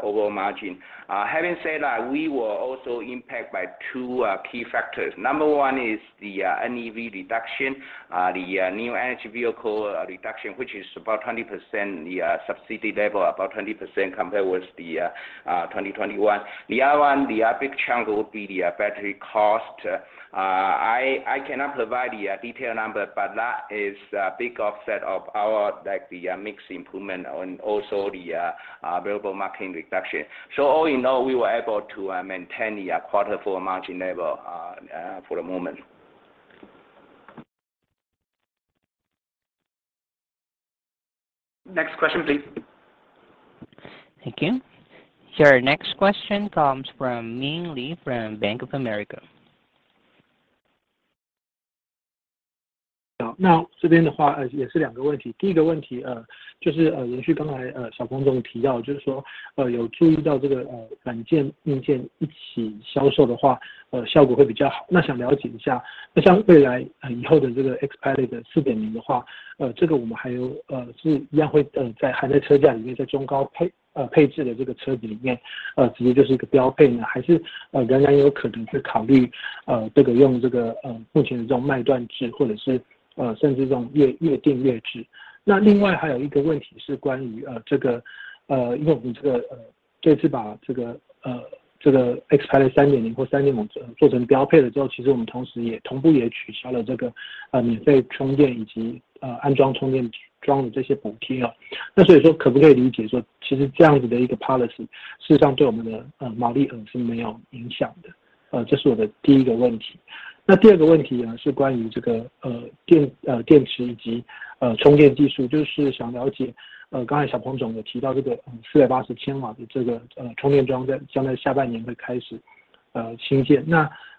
overall margin. Having said that, we were also impacted by two key factors. Number one is the NEV reduction, the new energy vehicle reduction, which is about 20%, the subsidy level about 20% compared with the 2021. The other one, the other big challenge would be the battery cost. I cannot provide the detail number, but that is a big offset of our, like the mix improvement and also the variable marketing reduction. All in all, we were able to maintain the quarter four margin level for the moment. Next question, please. Thank you. Your next question comes from Ming Lee from Bank of America.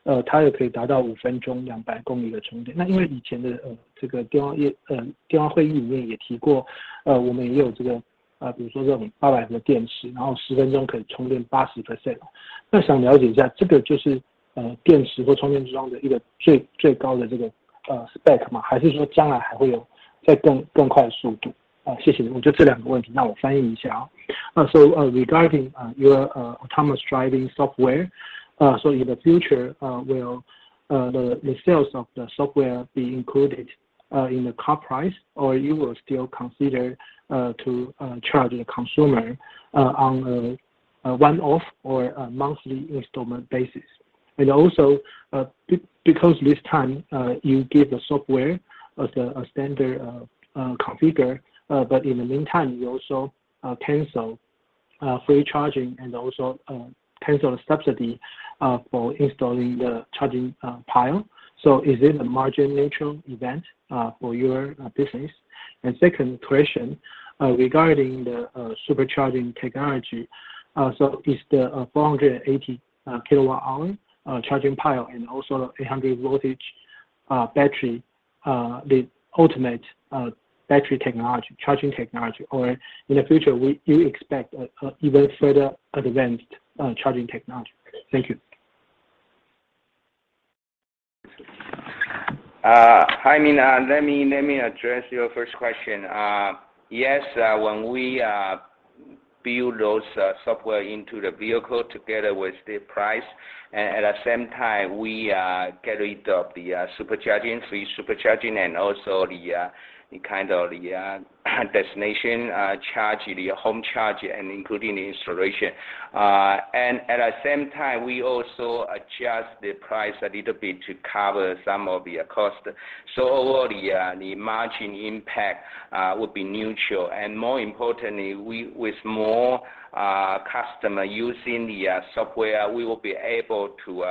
Regarding your autonomous driving software, so in the future, will the sales of the software be included in the car price, or you will still consider to charging the consumer on a one-off or a monthly installment basis? Because this time, you give the software as a standard configuration, but in the meantime, you also cancel free charging and also cancel the subsidy for installing the charging pile. Is it a margin-neutral event for your business? Second question, regarding the supercharging technology. Is the 480 kW charging pile and also 800V battery the ultimate battery technology charging technology, or in the future, will you expect an even further advanced charging technology? Thank you. Hi Ming. Let me address your first question. Yes, when we build those software into the vehicle together with the price, at the same time, we get rid of the supercharging, free supercharging and also the kind of the destination charge, the home charge, and including the installation. At the same time, we also adjust the price a little bit to cover some of the cost. Overall, the margin impact will be neutral. More importantly, with more customer using the software, we will be able to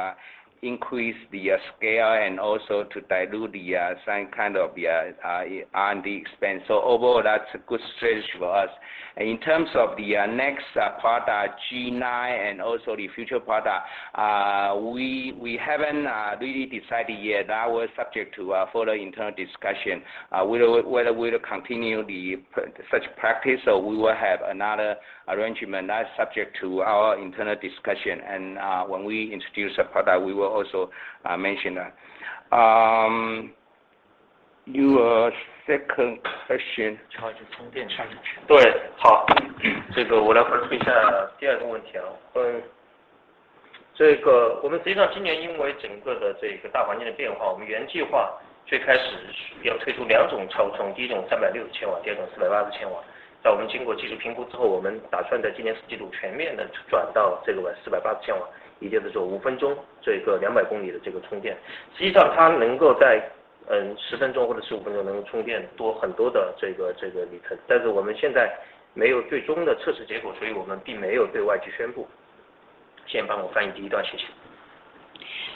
increase the scale and also to dilute the some kind of on the expense. Overall, that's a good strategy for us. In terms of the next product G9 and also the future product, we haven't really decided yet. That will be subject to a further internal discussion, whether we'll continue such practice or we will have another arrangement. That's subject to our internal discussion. When we introduce the product, we will also mention that. Your second question.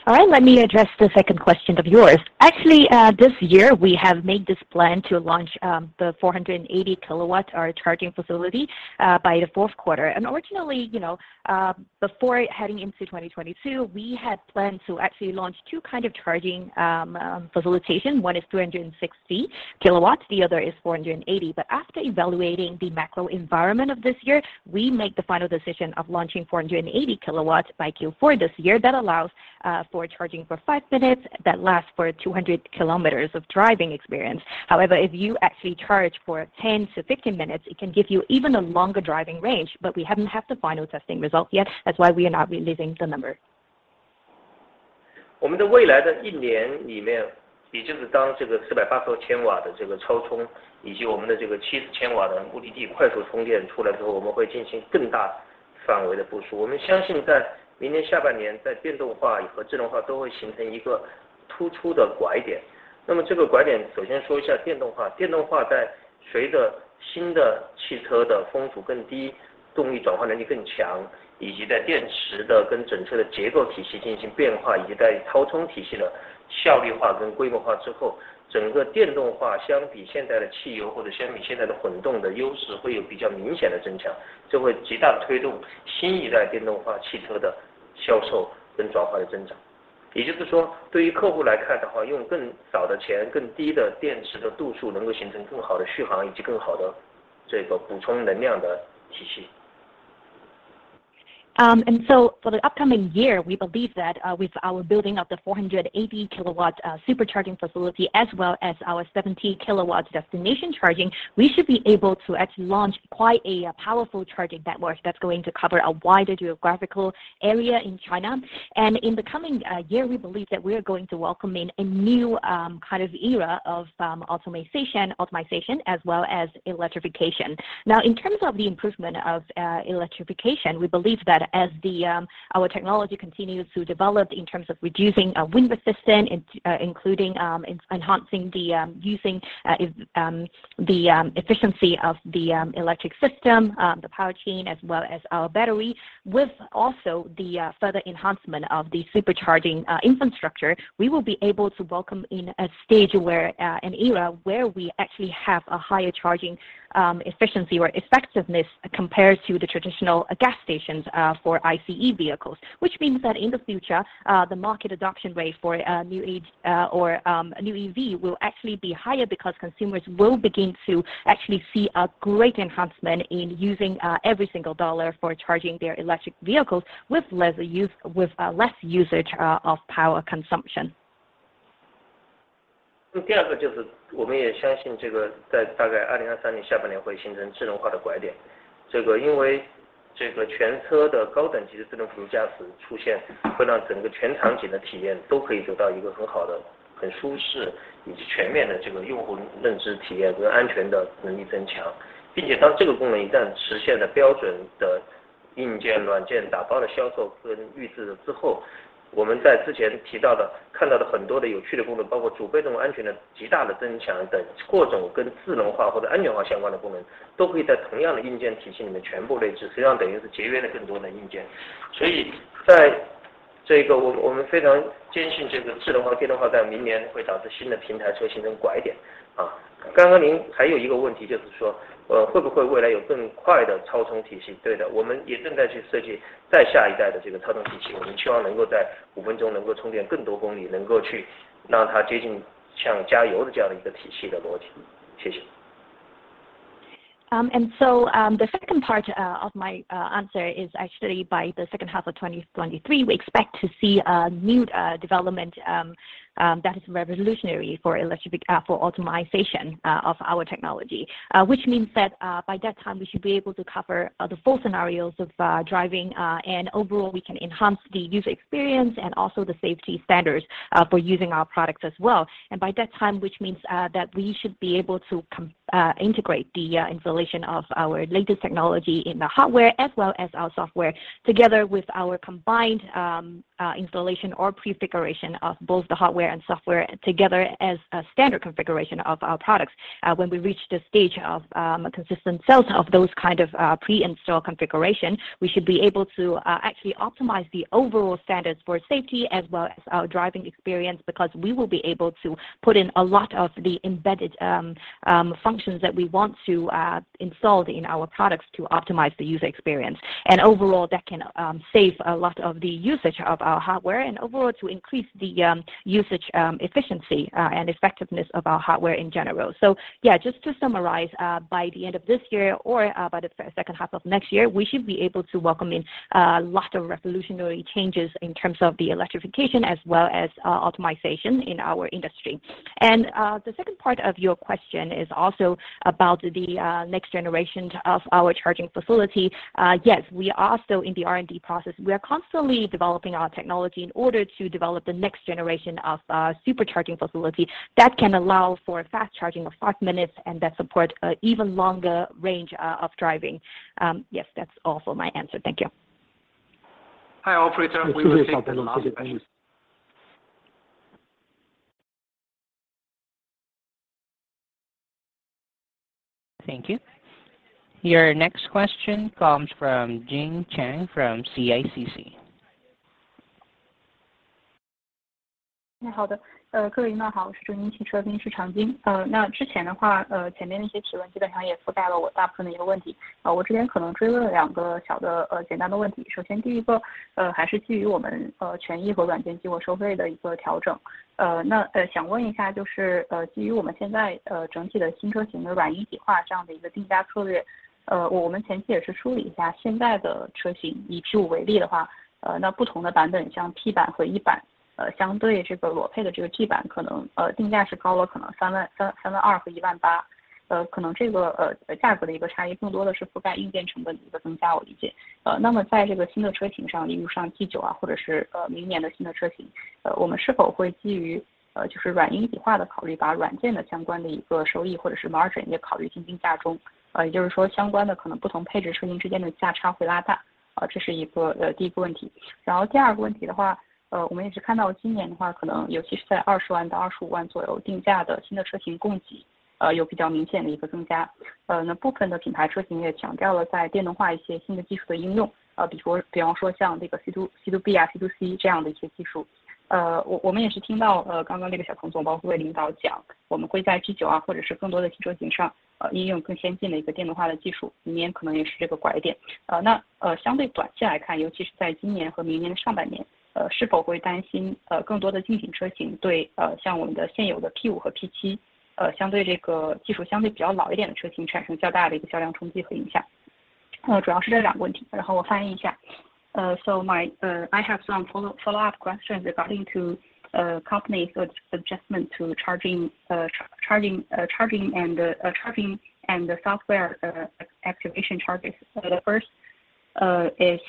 All right, let me address the second question of yours. Actually, this year, we have made this plan to launch the 480 kW charging facility by the Q4. Originally, you know, before heading into 2022, we had planned to actually launch two kinds of charging facilities. One is 260 kW, the other is 480 kW. After evaluating the macro environment of this year, we make the final decision of launching 480 kW by Q4 this year. That allows for charging for five minutes that lasts for 200 km of driving experience. However, if you actually charge for 10 to 15 minutes, it can give you even a longer driving range. We haven't had the final testing results yet. That's why we are not releasing the number. For the upcoming year, we believe that with our building of the 480 kW supercharging facility as well as our 70 kW destination charging, we should be able to actually launch quite a powerful charging network that's going to cover a wider geographical area in China. In the coming year, we believe that we are going to welcome in a new kind of era of optimization as well as electrification. Now, in terms of the improvement of electrification, we believe that as our technology continues to develop in terms of reducing wind resistance, including enhancing the efficiency of the electric system, the powertrain, as well as our battery, with also the further enhancement of the supercharging infrastructure, we will be able to welcome in an era where we actually have a higher charging efficiency or effectiveness compared to the traditional gas stations for ICE vehicles. Which means that in the future, the market adoption rate for a new EV will actually be higher because consumers will begin to actually see a great enhancement in using every single dollar for charging their electric vehicles with less usage of power consumption. The second part of my answer is actually by the H2 of 2023, we expect to see a new development that is revolutionary for optimization of our technology. Which means that by that time, we should be able to cover the full scenarios of driving and overall, we can enhance the user experience and also the safety standards for using our products as well. By that time, which means that we should be able to integrate the installation of our latest technology in the hardware as well as our software together with our combined installation or prefiguration of both the hardware and software together as a standard configuration of our products. When we reach the stage of consistent sales of those kind of pre-install configuration, we should be able to actually optimize the overall standards for safety as well as our driving experience, because we will be able to put in a lot of the embedded functions that we want to install in our products to optimize the user experience. Overall, that can save a lot of the usage of our hardware and overall to increase the usage efficiency and effectiveness of our hardware in general. Yeah, just to summarize, by the end of this year or by the H2 of next year, we should be able to welcome in lots of revolutionary changes in terms of the electrification as well as optimization in our industry. The second part of your question is also about the next generation of our charging facility. Yes, we are still in the R&D process. We are constantly developing our technology in order to develop the next generation of supercharging facility that can allow for fast charging of five minutes and that support a even longer range of driving. Yes, that's all for my answer. Thank you. Hi, operator. We will take the last question. Thank you. Your next question comes from Chang Xing from CICC. 好的，各位领导好，我是中金汽车分析师常青。那之前的话，前面那些提问基本上也覆盖了我大部分的问题。我这边可能追问两个小的、简单的问题。首先第一个，还是基于我们权益和软件结合收费的一个调整。那，想问一下就是，基于我们现在整体的新车型的软硬一体化这样的一个定价策略，我们前期也是梳理一下现在的车型，以P5为例的话，那不同的版本像P版和E版，相对这个裸配的基版可能定价是高了可能三万、三万二和一万八，可能这个价格的一个差异更多的是覆盖硬件成本的一个增加，我理解。那么在这个新的车型上，例如像G9，或者是明年的新的车型，我们是否会基于软硬一体化的考虑，把软件的相关的一个收益或者是margin也考虑进定价中，也就是说相关的可能不同配置车型之间的价差会拉大。这是第一个问题。然后第二个问题的话，我们也是看到今年的话，可能尤其是在二十万到二十五万左右定价的新的车型供给，有比较明显的一个增加，那部分的品牌车型也强调了在电动化一些新的技术的应用，比方说像这个CTB、CTC这样的一些技术。我们也是听到刚刚那个小鹏总包括领导讲，我们会在G9，或者是更多的新车型上，应用更先进的一个电动化的技术，明年可能也是这个拐点。那，相对短期来看，尤其是在今年和明年的上半年，是否会担心更多的竞品车型对像我们的现有的P5和P7，相对这个技术相对比较老一点的车型产生较大的一个销量冲击和影响。主要是这两个问题，然后我翻译一下。So my follow-up questions are regarding the company's adjustment to charging and software activation charges. The first is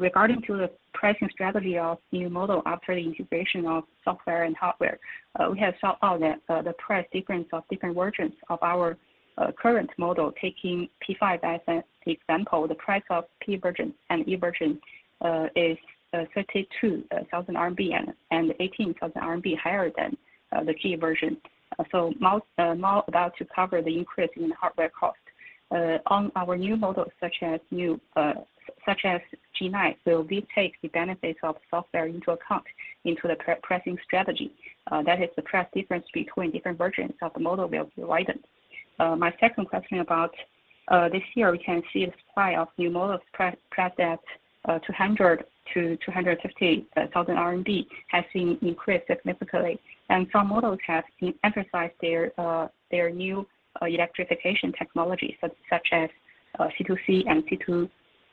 regarding to the pricing strategy of new model after the integration of software and hardware. We have found out that the price difference of different versions of our current model, taking P5 as an example, the price of P version and E version is 32,000 RMB and 18,000 RMB higher than the key version. About to cover the increase in the hardware cost. On our new models, such as G9, will we take the benefits of software into account in the pricing strategy? That is, the price difference between different versions of the model will be widened. My second question about this year, we can see the supply of new models priced at 200 thousand-250 thousand RMB has increased significantly, and some models have emphasized their new electrification technologies, such as CTC and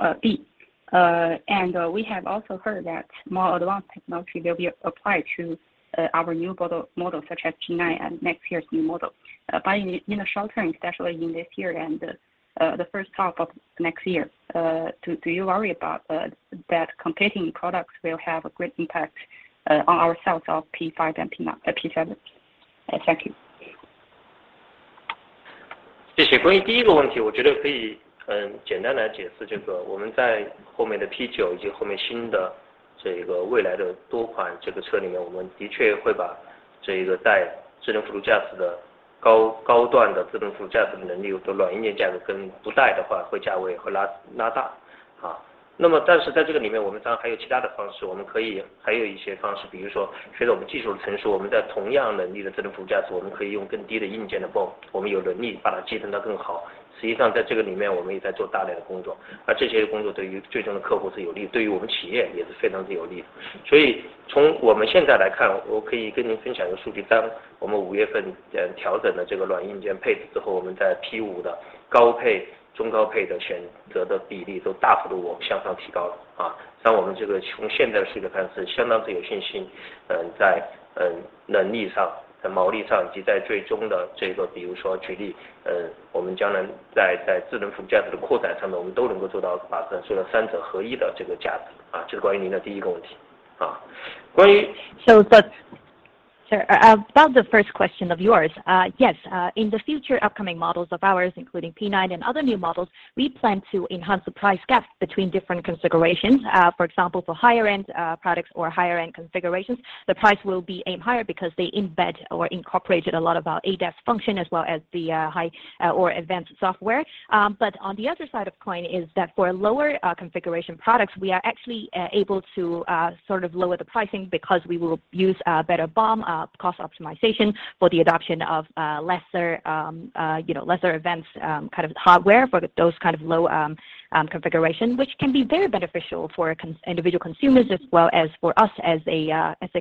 CTB. We have also heard that more advanced technology will be applied to your new models such as G9 and next year's new model. In the short term, especially in this year and the H1 of next year, do you worry about that competing products will have a great impact on your sales of P5 and G9, P7? Thank you. Sir, about the first question of yours. Yes, in the future upcoming models of ours, including G9 and other new models, we plan to enhance the price gaps between different configurations. For example, for higher end products or higher end configurations, the price will be a higher because they embed or incorporated a lot of our ADAS function as well as the high or advanced software. On the other side of the coin is that for lower configuration products, we are actually able to sort of lower the pricing because we will use better BOM cost optimization for the adoption of lesser ADAS kind of hardware for those kind of low configuration, which can be very beneficial for individual consumers as well as for us as a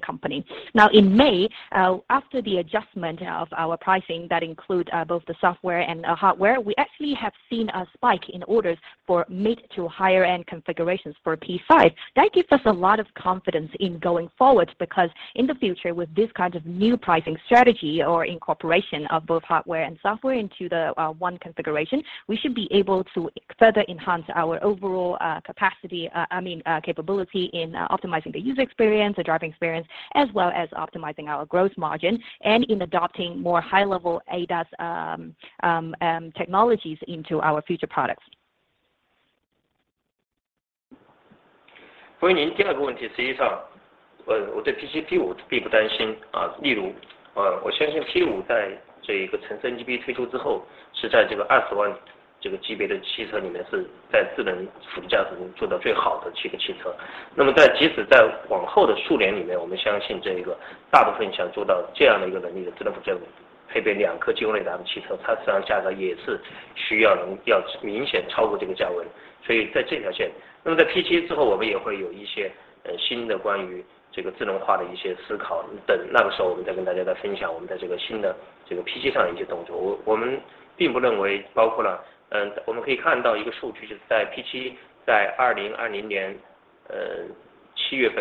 company. In May, after the adjustment of our pricing that include both the software and hardware, we actually have seen a spike in orders for mid to higher end configurations for P5. That gives us a lot of confidence in going forward, because in the future, with this kind of new pricing strategy or incorporation of both hardware and software into the one configuration, we should be able to further enhance our overall capability in optimizing the user experience, the driving experience, as well as optimizing our gross margin and in adopting more high level ADAS technologies into our future products. For your second question, actually, I'm not worried about P7. For example, I believe P7 after this City NGP is launched, it is in this CNY 20,000, this level of cars is in automatic driving function. Made the best seven cars. Even in the next few years, we believe this most want to achieve such an ability of automatic driving equipped with two internal combustion engine cars, its actual price is also needed to be significantly more than this price. On this line. After P7, we will also have some new thoughts on this automation. We'll share with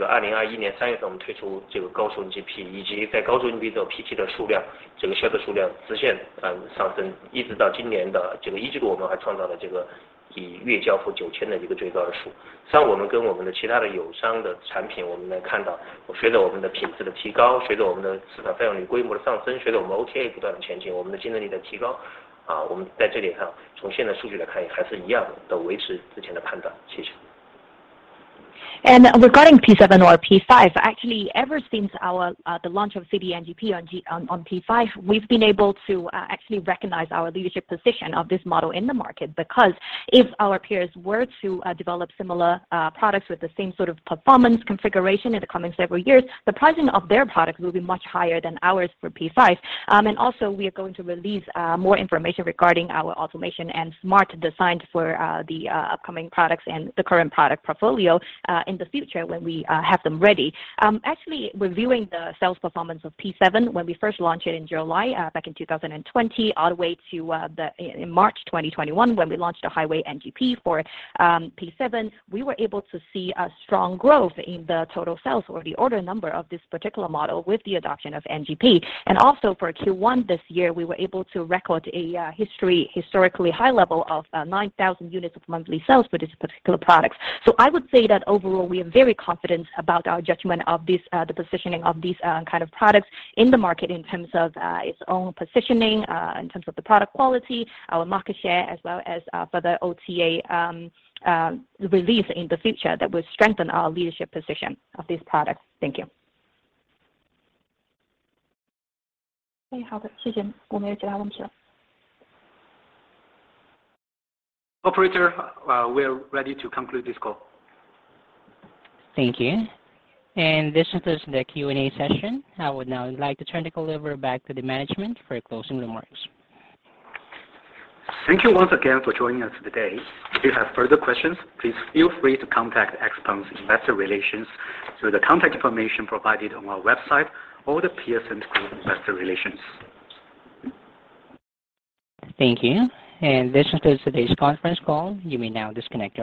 you our new actions on P7 at that time. We don't think including we can see a figure is in P7 in July 2020, just after the launch, we saw this in March 2021. We launched this Highway NGP the future when we have them ready. Actually reviewing the sales performance of P7 when we first launched it in July back in 2020, all the way to in March 2021, when we launched Highway NGP for P7, we were able to see a strong growth in the total sales or the order number of this particular model with the adoption of NGP. Also for Q1 this year, we were able to record a historically high level of 9,000 units of monthly sales for this particular product. I would say that overall we are very confident about our judgment of this, the positioning of these kind of products in the market in terms of its own positioning in terms of the product quality, our market share, as well as for the OTA release in the future that will strengthen our leadership position of these products. Thank you. Okay. Good. Thank you. We have no further questions. Operator, we are ready to conclude this call. Thank you. This concludes the Q&A session. I would now like to turn the call over back to the management for closing remarks. Thank you once again for joining us today. If you have further questions, please feel free to contact XPeng's investor relations through the contact information provided on our website or The Piacente Group Investor Relations. Thank you. This concludes today's conference call. You may now disconnect your lines.